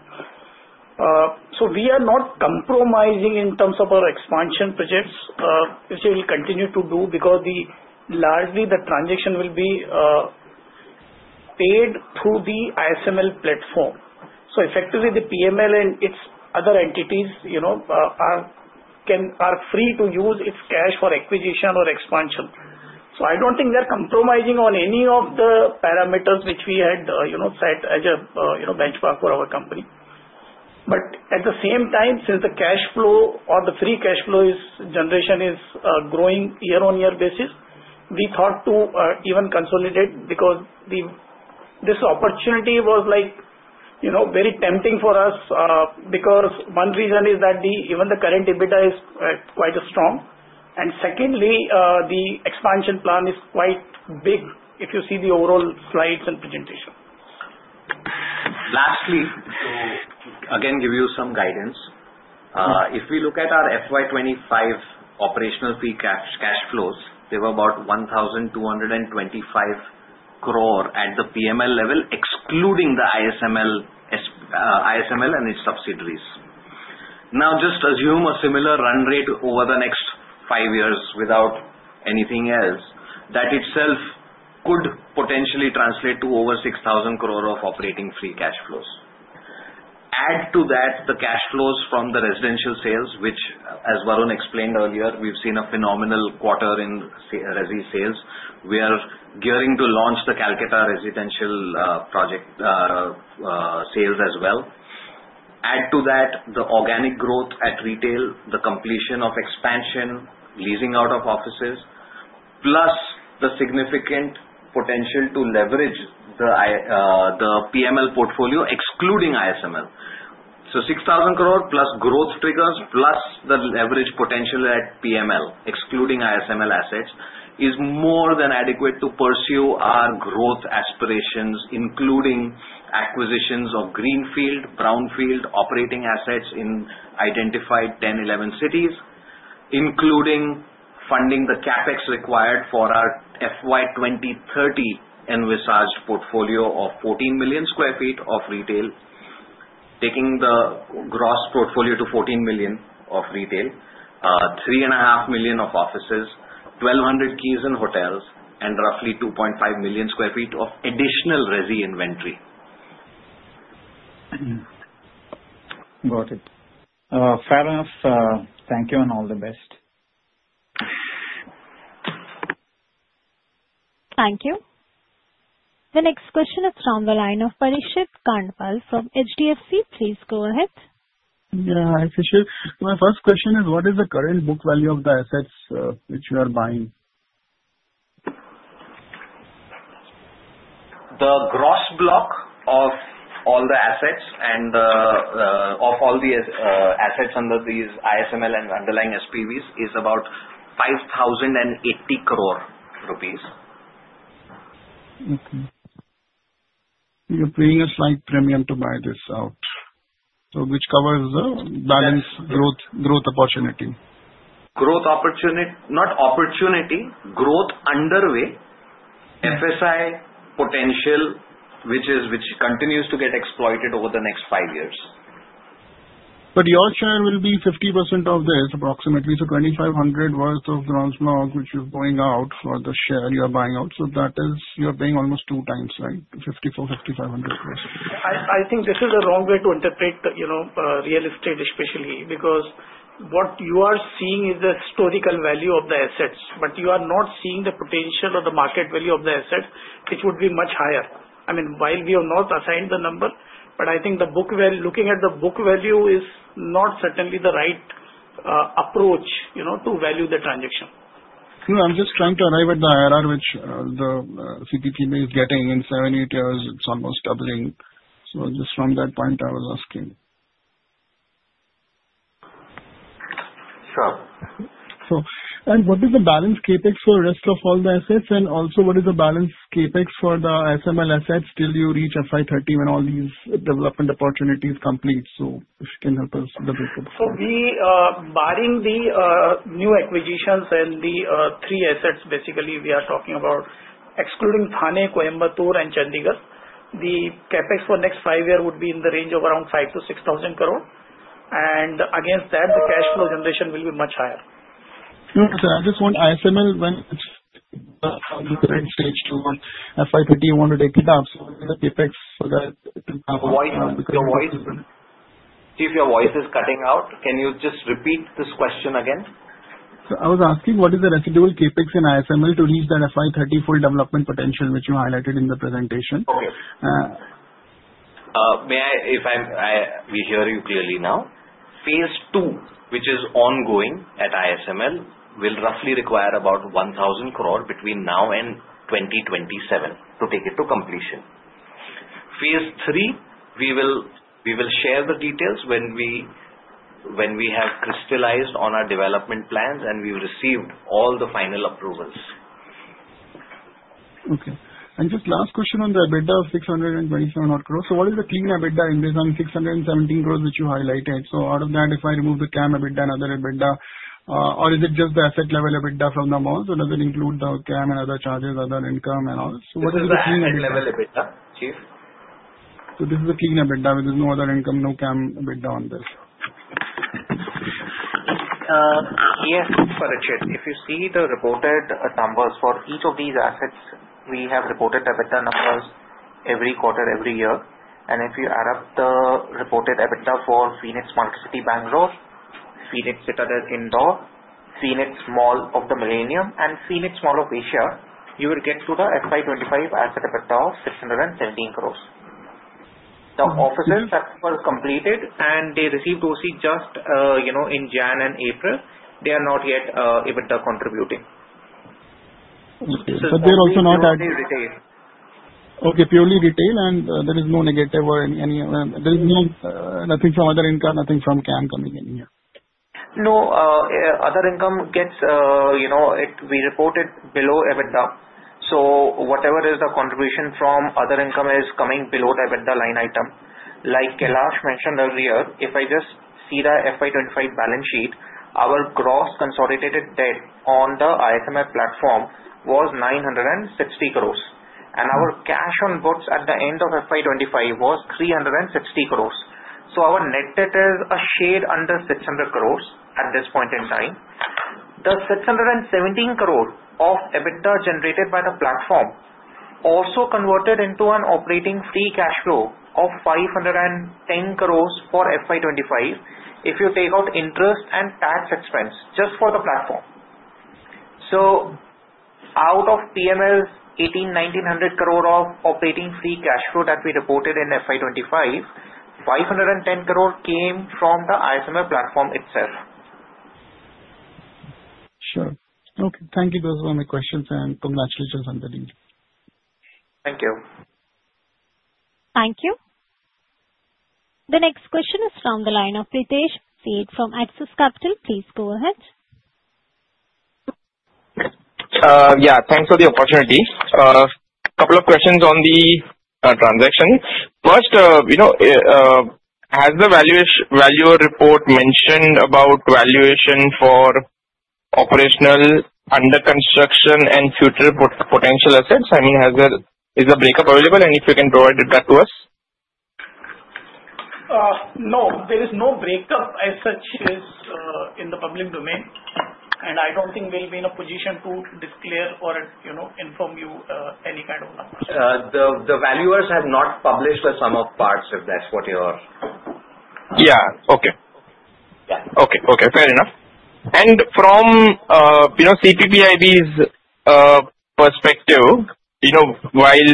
so we are not compromising in terms of our expansion projects, which we will continue to do because largely the transaction will be paid through the ISML platform. So effectively, the PML and its other entities are free to use its cash for acquisition or expansion. So I don't think they're compromising on any of the parameters which we had set as a benchmark for our company. But at the same time, since the cash flow or the free cash flow generation is growing year-on-year basis, we thought to even consolidate because this opportunity was very tempting for us because one reason is that even the current EBITDA is quite strong, and secondly, the expansion plan is quite big if you see the overall slides and presentation. Lastly, to again give you some guidance, if we look at our FY 2025 operational free cash flows, they were about 1,225 crore at the PML level, excluding the ISML and its subsidiaries. Now, just assume a similar run rate over the next five years without anything else. That itself could potentially translate to over 6,000 crore of operating free cash flows. Add to that the cash flows from the residential sales, which, as Varun explained earlier, we've seen a phenomenal quarter in resi sales. We are gearing to launch the Kolkata residential project sales as well. Add to that the organic growth at retail, the completion of expansion, leasing out of offices, plus the significant potential to leverage the PML portfolio, excluding ISML. So 6,000 crore plus growth triggers plus the leverage potential at PML, excluding ISML assets, is more than adequate to pursue our growth aspirations, including acquisitions of greenfield, brownfield, operating assets in identified 10, 11 cities, including funding the CapEx required for our FY 2030 envisaged portfolio of 14 million sq ft of retail, taking the gross portfolio to 14 million sq ft of retail, 3.5 million sq ft of offices, 1,200 keys and hotels, and roughly 2.5 million sq ft of additional resi inventory. Got it. Fair enough. Thank you and all the best. Thank you. The next question is from the line of Parikshit Kandpal from HDFC. Please go ahead. Yeah, Shishir. My first question is, what is the current book value of the assets which you are buying? The gross block of all the assets and of all the assets under these ISML and underlying SPVs is about 5,080 crore rupees. Okay. You're paying a slight premium to buy this out, which covers the balance growth opportunity. Growth opportunity not opportunity, growth underway, FSI potential, which continues to get exploited over the next five years. But your share will be 50% of this, approximately. So 2,500 worth of gross block, which is going out for the share you are buying out. So that is, you are paying almost two times, right? 5,400-5,500. I think this is a wrong way to interpret real estate, especially because what you are seeing is the historical value of the assets, but you are not seeing the potential or the market value of the assets, which would be much higher. I mean, while we have not assigned the number, but I think the book value, looking at the book value, is not certainly the right approach to value the transaction. I'm just trying to arrive at the IRR, which the CPP is getting in seven, eight years. It's almost doubling. So just from that point, I was asking. Sure. And what is the balance CapEx for the rest of all the assets? And also, what is the balance CapEx for the ISML assets till you reach FY 2030 when all these development opportunities complete? So if you can help us a little bit with that. So barring the new acquisitions and the three assets, basically, we are talking about excluding Thane, Coimbatore, and Chandigarh, the CapEx for next five years would be in the range of around 5,000-6,000 crore. And against that, the cash flow generation will be much higher. Interesting. I just want ISML when it's on the current stage to FY 2030, you want to take it up. So what is the CapEx for that? If your voice is cutting out, can you just repeat this question again? So I was asking what is the residual CapEx in ISML to reach that FY 2030 full development potential, which you highlighted in the presentation. Okay. If we hear you clearly now, phase two, which is ongoing at ISML, will roughly require about 1,000 crore between now and 2027 to take it to completion. Phase three, we will share the details when we have crystallized on our development plans and we've received all the final approvals. Okay. And just last question on the EBITDA of 627 crore. So what is the clean EBITDA based on 617 crore that you highlighted? So out of that, if I remove the CAM EBITDA and other EBITDA, or is it just the asset level EBITDA from the malls, or does it include the CAM and other charges, other income, and all? So what is the clean EBITDA? So this is the clean EBITDA. There is no other income, no CAM EBITDA on this. Yes, Parikshit, if you see the reported numbers for each of these assets, we have reported EBITDA numbers every quarter, every year. And if you add up the reported EBITDA for Phoenix Marketcity Bangalore, Phoenix Citadel Indore, Phoenix Mall of the Millennium, and Phoenix Mall of Asia, you will get to the FY 2025 asset EBITDA of INR 617 crore. The offices that were completed, and they received OC just in January and April, they are not yet EBITDA contributing. But they're also not at purely retail. Okay, purely retail, and there is no negative or anything, there is nothing from other income, nothing from CAM coming in here. No, other income gets reported below EBITDA. So whatever is the contribution from other income is coming below the EBITDA line item. Like Kailash mentioned earlier, if I just see the FY 2025 balance sheet, our gross consolidated debt on the ISML platform was 960 crore. And our cash on books at the end of FY 2025 was 360 crore. So our net debt is a shade under 600 crore at this point in time. The 617 crore of EBITDA generated by the platform also converted into an operating free cash flow of 510 crore for FY 2025 if you take out interest and tax expense just for the platform. So out of PML's 1,800 crore-1,900 crore of operating free cash flow that we reported in FY 2025, 510 crore came from the ISML platform itself. Sure. Okay. Thank you. Those were my questions, and congratulations on the deal. Thank you. Thank you. The next question is from the line of Pritesh Sheth from Axis Capital. Please go ahead. Yeah. Thanks for the opportunity. A couple of questions on the transaction. First, has the valuer report mentioned about valuation for operational under-construction and future potential assets? I mean, is the breakup available? And if you can provide that to us. No, there is no breakup as such in the public domain. I don't think we'll be in a position to declare or inform you any kind of numbers. The valuers have not published the sum of parts, if that's what you're. Fair enough. And from CPPIB's perspective, while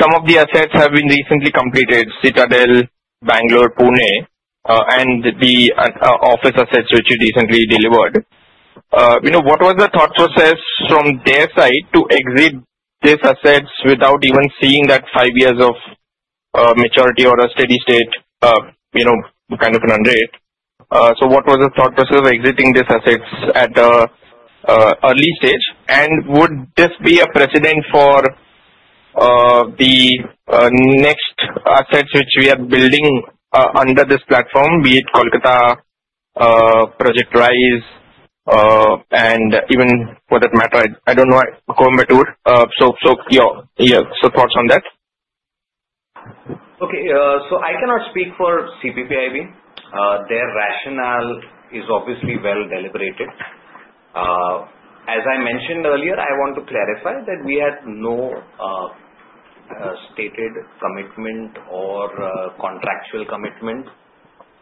some of the assets have been recently completed, Citadel, Bangalore, Pune, and the office assets which you recently delivered, what was the thought process from their side to exit these assets without even seeing that five years of maturity or a steady state kind of run rate? So what was the thought process of exiting these assets at the early stage? And would this be a precedent for the next assets which we are building under this platform, be it Kolkata, Project Rise and even for that matter, I don't know, Coimbatore? So thoughts on that? Okay. I cannot speak for CPP. Their rationale is obviously well deliberated. As I mentioned earlier, I want to clarify that we had no stated commitment or contractual commitment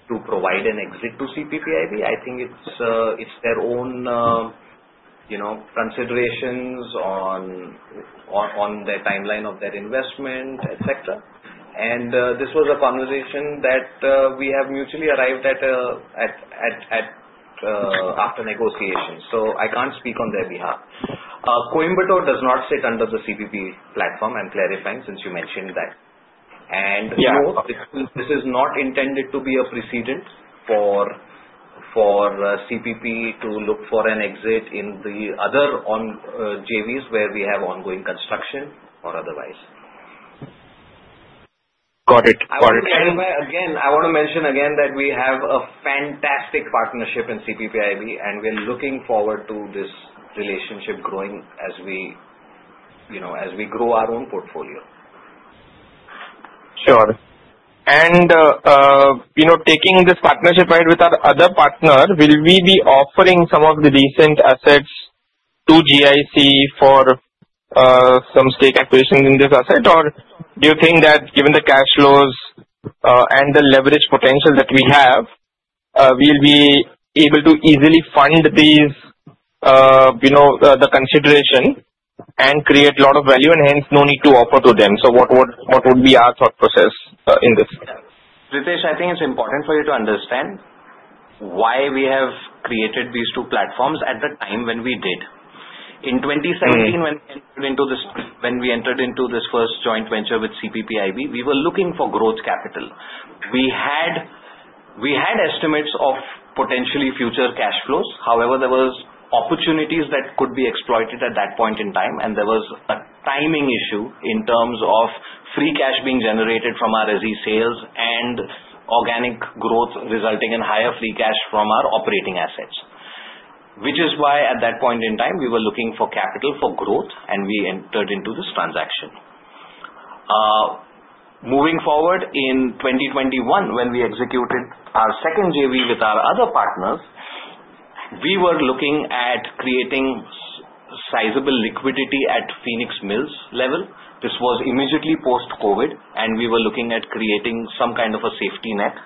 to provide an exit to CPP. I think it's their own considerations on the timeline of their investment, etc. And this was a conversation that we have mutually arrived at after negotiations. So I can't speak on their behalf. Coimbatore does not sit under the CPP platform. I'm clarifying since you mentioned that. And this is not intended to be a precedent for CPP to look for an exit in the other JVs where we have ongoing construction or otherwise. Got it. Got it. Again, I want to mention again that we have a fantastic partnership in CPP, and we're looking forward to this relationship growing as we grow our own portfolio. Sure. Taking this partnership ahead with our other partner, will we be offering some of the recent assets to GIC for some stake acquisitions in this asset, or do you think that given the cash flows and the leverage potential that we have, we'll be able to easily fund the consideration and create a lot of value, and hence no need to offer to them? What would be our thought process in this? Pritesh, I think it's important for you to understand why we have created these two platforms at the time when we did. In 2017, when we entered into this first joint venture with CPPIB, we were looking for growth capital. We had estimates of potentially future cash flows. However, there were opportunities that could be exploited at that point in time, and there was a timing issue in terms of free cash being generated from our resi sales and organic growth resulting in higher free cash from our operating assets, which is why at that point in time, we were looking for capital for growth, and we entered into this transaction. Moving forward in 2021, when we executed our second JV with our other partners, we were looking at creating sizable liquidity at Phoenix Mills level. This was immediately post-COVID, and we were looking at creating some kind of a safety net,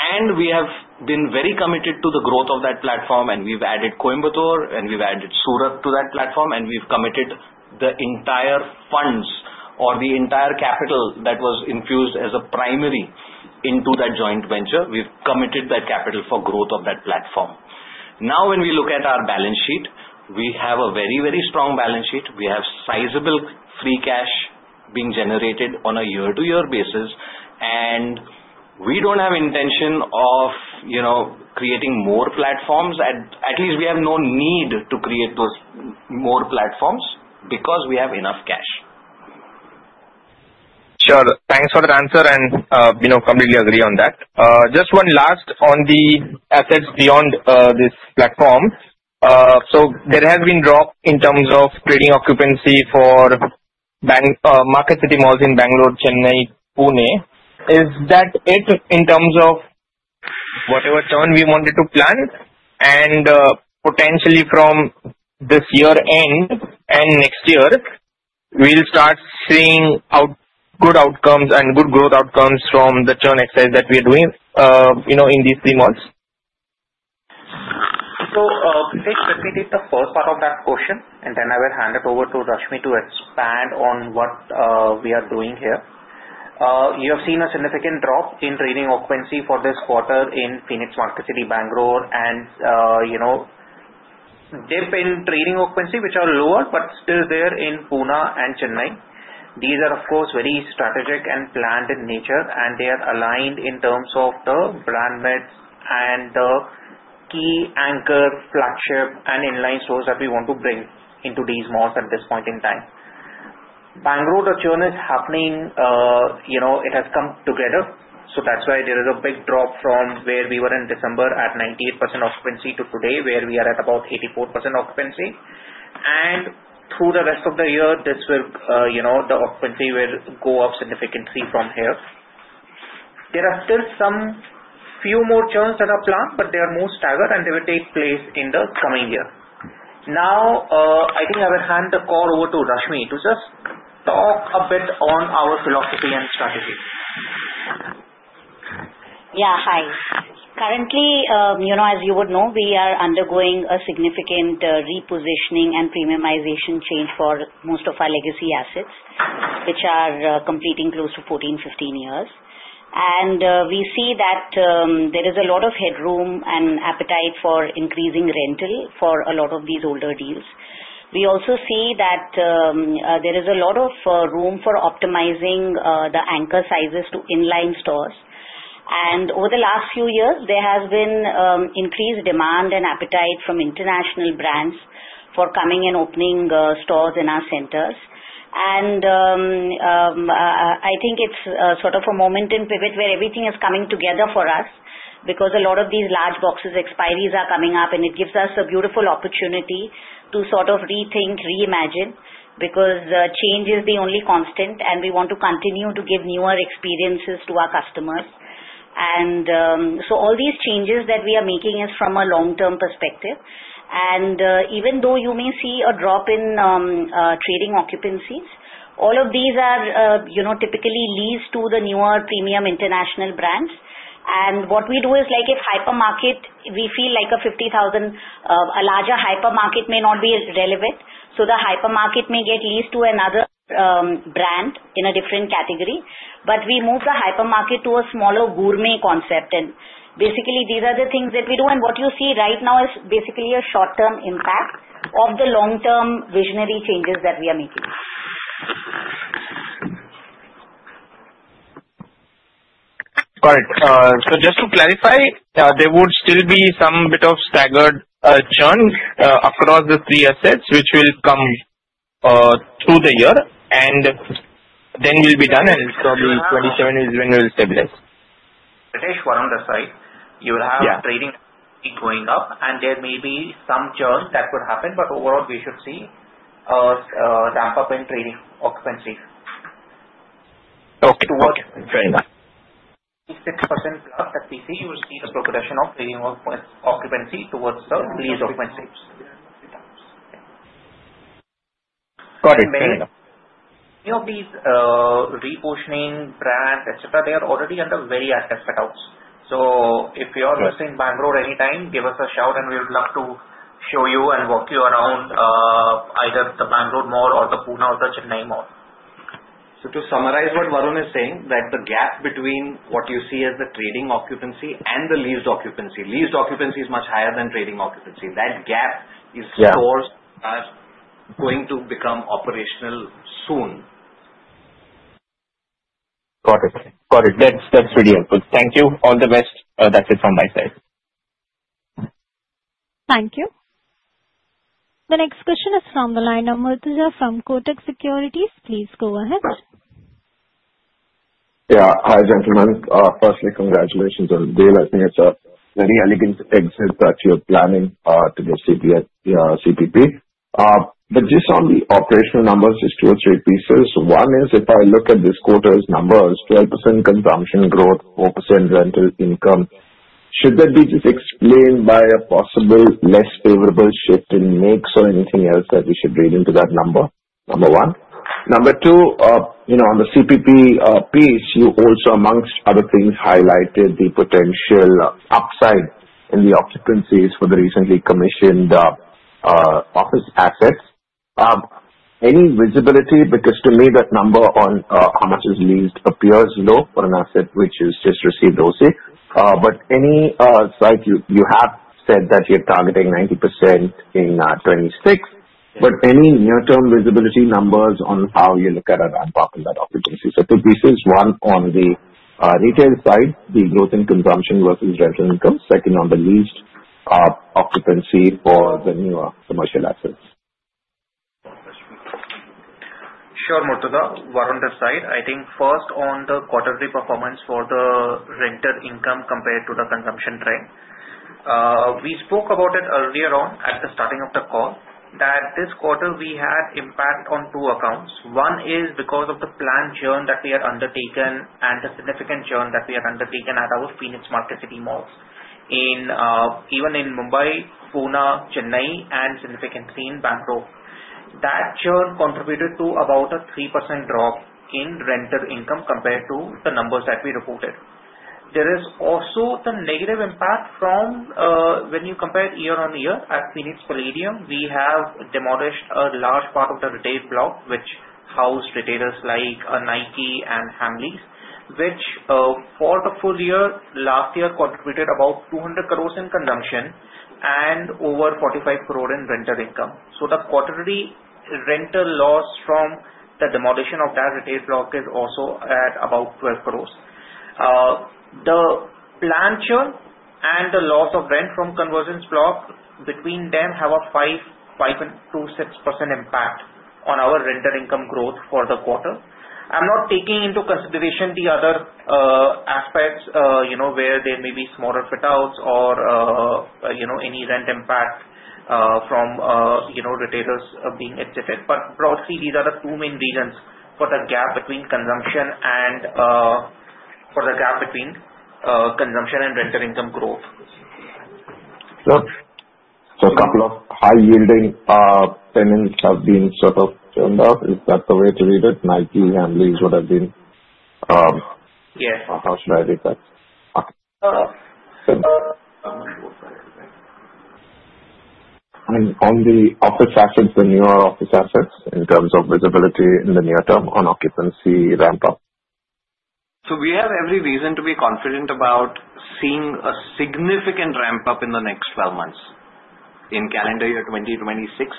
and we have been very committed to the growth of that platform, and we've added Coimbatore, and we've added Surat to that platform, and we've committed the entire funds or the entire capital that was infused as a primary into that joint venture. We've committed that capital for growth of that platform. Now, when we look at our balance sheet, we have a very, very strong balance sheet. We have sizable free cash being generated on a year-to-year basis, and we don't have intention of creating more platforms. At least we have no need to create those more platforms because we have enough cash. Sure. Thanks for the answer, and I completely agree on that. Just one last on the assets beyond this platform. So there has been drop in terms of trading occupancy for Market City Malls in Bangalore, Chennai, Pune. Is that it in terms of whatever churn we wanted to plan? And potentially from this year end and next year, we'll start seeing good outcomes and good growth outcomes from the churn exercise that we are doing in these three malls? Pritesh, repeat the first part of that question, and then I will hand it over to Rashmi to expand on what we are doing here. You have seen a significant drop in trading occupancy for this quarter in Phoenix Marketcity, Bangalore, and dip in trading occupancy, which are lower but still there in Pune and Chennai. These are, of course, very strategic and planned in nature, and they are aligned in terms of the brand mix and the key anchor, flagship, and inline stores that we want to bring into these malls at this point in time. Bangalore, the churn is happening. It has come together. That's why there is a big drop from where we were in December at 98% occupancy to today, where we are at about 84% occupancy. Through the rest of the year, the occupancy will go up significantly from here. There are still a few more churns that are planned, but they are more staggered, and they will take place in the coming year. Now, I think I will hand the call over to Rashmi to just talk a bit on our philosophy and strategy. Yeah. Hi. Currently, as you would know, we are undergoing a significant repositioning and premiumization change for most of our legacy assets, which are completing close to 14-15 years. And we see that there is a lot of headroom and appetite for increasing rental for a lot of these older deals. We also see that there is a lot of room for optimizing the anchor sizes to inline stores. And over the last few years, there has been increased demand and appetite from international brands for coming and opening stores in our centers. I think it's sort of a moment in pivot where everything is coming together for us because a lot of these large boxes' expiries are coming up, and it gives us a beautiful opportunity to sort of rethink, reimagine because change is the only constant, and we want to continue to give newer experiences to our customers. So all these changes that we are making is from a long-term perspective. Even though you may see a drop in trading occupancies, all of these are typically leased to the newer premium international brands. What we do is if hypermarket, we feel like a 50,000, a larger hypermarket may not be relevant. The hypermarket may get leased to another brand in a different category. We move the hypermarket to a smaller gourmet concept. Basically, these are the things that we do. What you see right now is basically a short-term impact of the long-term visionary changes that we are making. Got it. Just to clarify, there would still be some bit of staggered churn across the three assets, which will come through the year, and then we'll be done, and probably 2027 is when we'll stabilize. Pritesh, one on the side, you will have trading going up, and there may be some churn that could happen, but overall, we should see a ramp-up in trading occupancies. Okay. To what extent? 26% plus that we see, you will see the progression of trading occupancy towards the lease occupancies. Got it. Any of these repositioning brands, etc., they are already under very active setups. So if you are visiting Bangalore anytime, give us a shout, and we would love to show you and walk you around either the Bangalore Mall or the Pune or the Chennai Mall. So to summarize what Varun is saying, that the gap between what you see as the trading occupancy and the leased occupancy (leased occupancy is much higher than trading occupancy) that gap is stores that are going to become operational soon. Got it. Got it. That's really helpful. Thank you. All the best. That's it from my side. Thank you. The next question is from the line of Murtuza from Kotak Securities. Please go ahead. Yeah. Hi, gentlemen. Firstly, congratulations on the deal. I think it's a very elegant exit that you're planning to go CPP. But just on the operational numbers, just two or three pieces. One is if I look at this quarter's numbers, 12% consumption growth, 4% rental income, should that be just explained by a possible less favorable shift in mix or anything else that we should read into that number? Number one. Number two, on the CPP piece, you also, among other things, highlighted the potential upside in the occupancies for the recently commissioned office assets. Any visibility? Because to me, that number on how much is leased appears low for an asset which has just received OC. But anyway, you have said that you're targeting 90% in 2026. But any near-term visibility numbers on how you look at a ramp-up in that occupancy? So two pieces. One on the retail side, the growth in consumption versus rental income. Second, on the leased occupancy for the newer commercial assets. Sure, Murtuza. On one side, I think first on the quarterly performance for the rental income compared to the consumption trend. We spoke about it earlier on at the starting of the call that this quarter we had impact on two accounts. One is because of the planned churn that we had undertaken and the significant churn that we had undertaken at our Phoenix Marketcity malls, even in Mumbai, Pune, Chennai, and significantly in Bengaluru. That churn contributed to about a 3% drop in rental income compared to the numbers that we reported. There is also the negative impact from when you compare year-on-year. At Phoenix Palladium, we have demolished a large part of the retail block, which housed retailers like Nike and Hamleys, which for the full year last year contributed about 200 crore in consumption and over 45 crore in rental income. So the quarterly rental loss from the demolition of that retail block is also at about 12 crores. The planned churn and the loss of rent from Convergence Block between them have a 5%-6% impact on our rental income growth for the quarter. I'm not taking into consideration the other aspects where there may be smaller fit-outs or any rent impact from retailers being exited. But broadly, these are the two main reasons for the gap between consumption and rental income growth. So a couple of high-yielding tenants have been sort of churned out. Is that the way to read it? Nike, Hamleys would have been—yeah. How should I read that? And on the office assets, the newer office assets in terms of visibility in the near term on occupancy ramp-up? So we have every reason to be confident about seeing a significant ramp-up in the next 12 months. In calendar year 2026,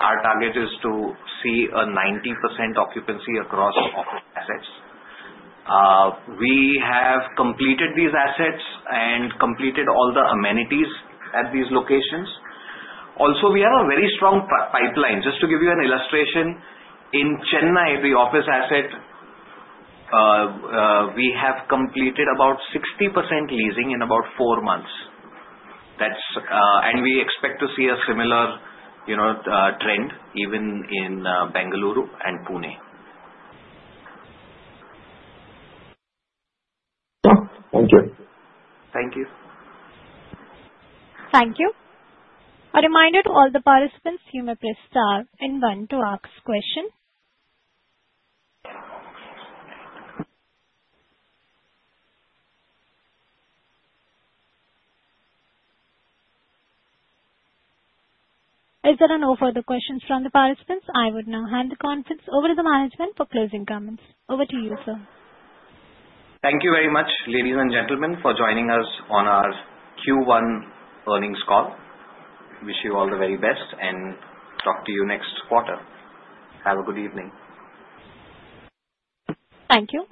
our target is to see a 90% occupancy across office assets. We have completed these assets and completed all the amenities at these locations. Also, we have a very strong pipeline. Just to give you an illustration, in Chennai, the office asset, we have completed about 60% leasing in about four months. And we expect to see a similar trend even in Bengaluru and Pune. Thank you. Thank you. Thank you. A reminder to all the participants, you may press star and one to ask question. Is there no further questions from the participants? I would now hand the conference over to the management for closing comments. Over to you, sir. Thank you very much, ladies, and gentlemen, for joining us on our Q1 Earnings Call. Wish you all the very best, and talk to you next quarter. Have a good evening. Thank you.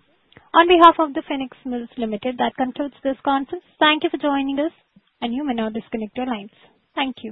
On behalf of The Phoenix Mills Limited, that concludes this conference. Thank you for joining us, and you may now disconnect your lines. Thank you.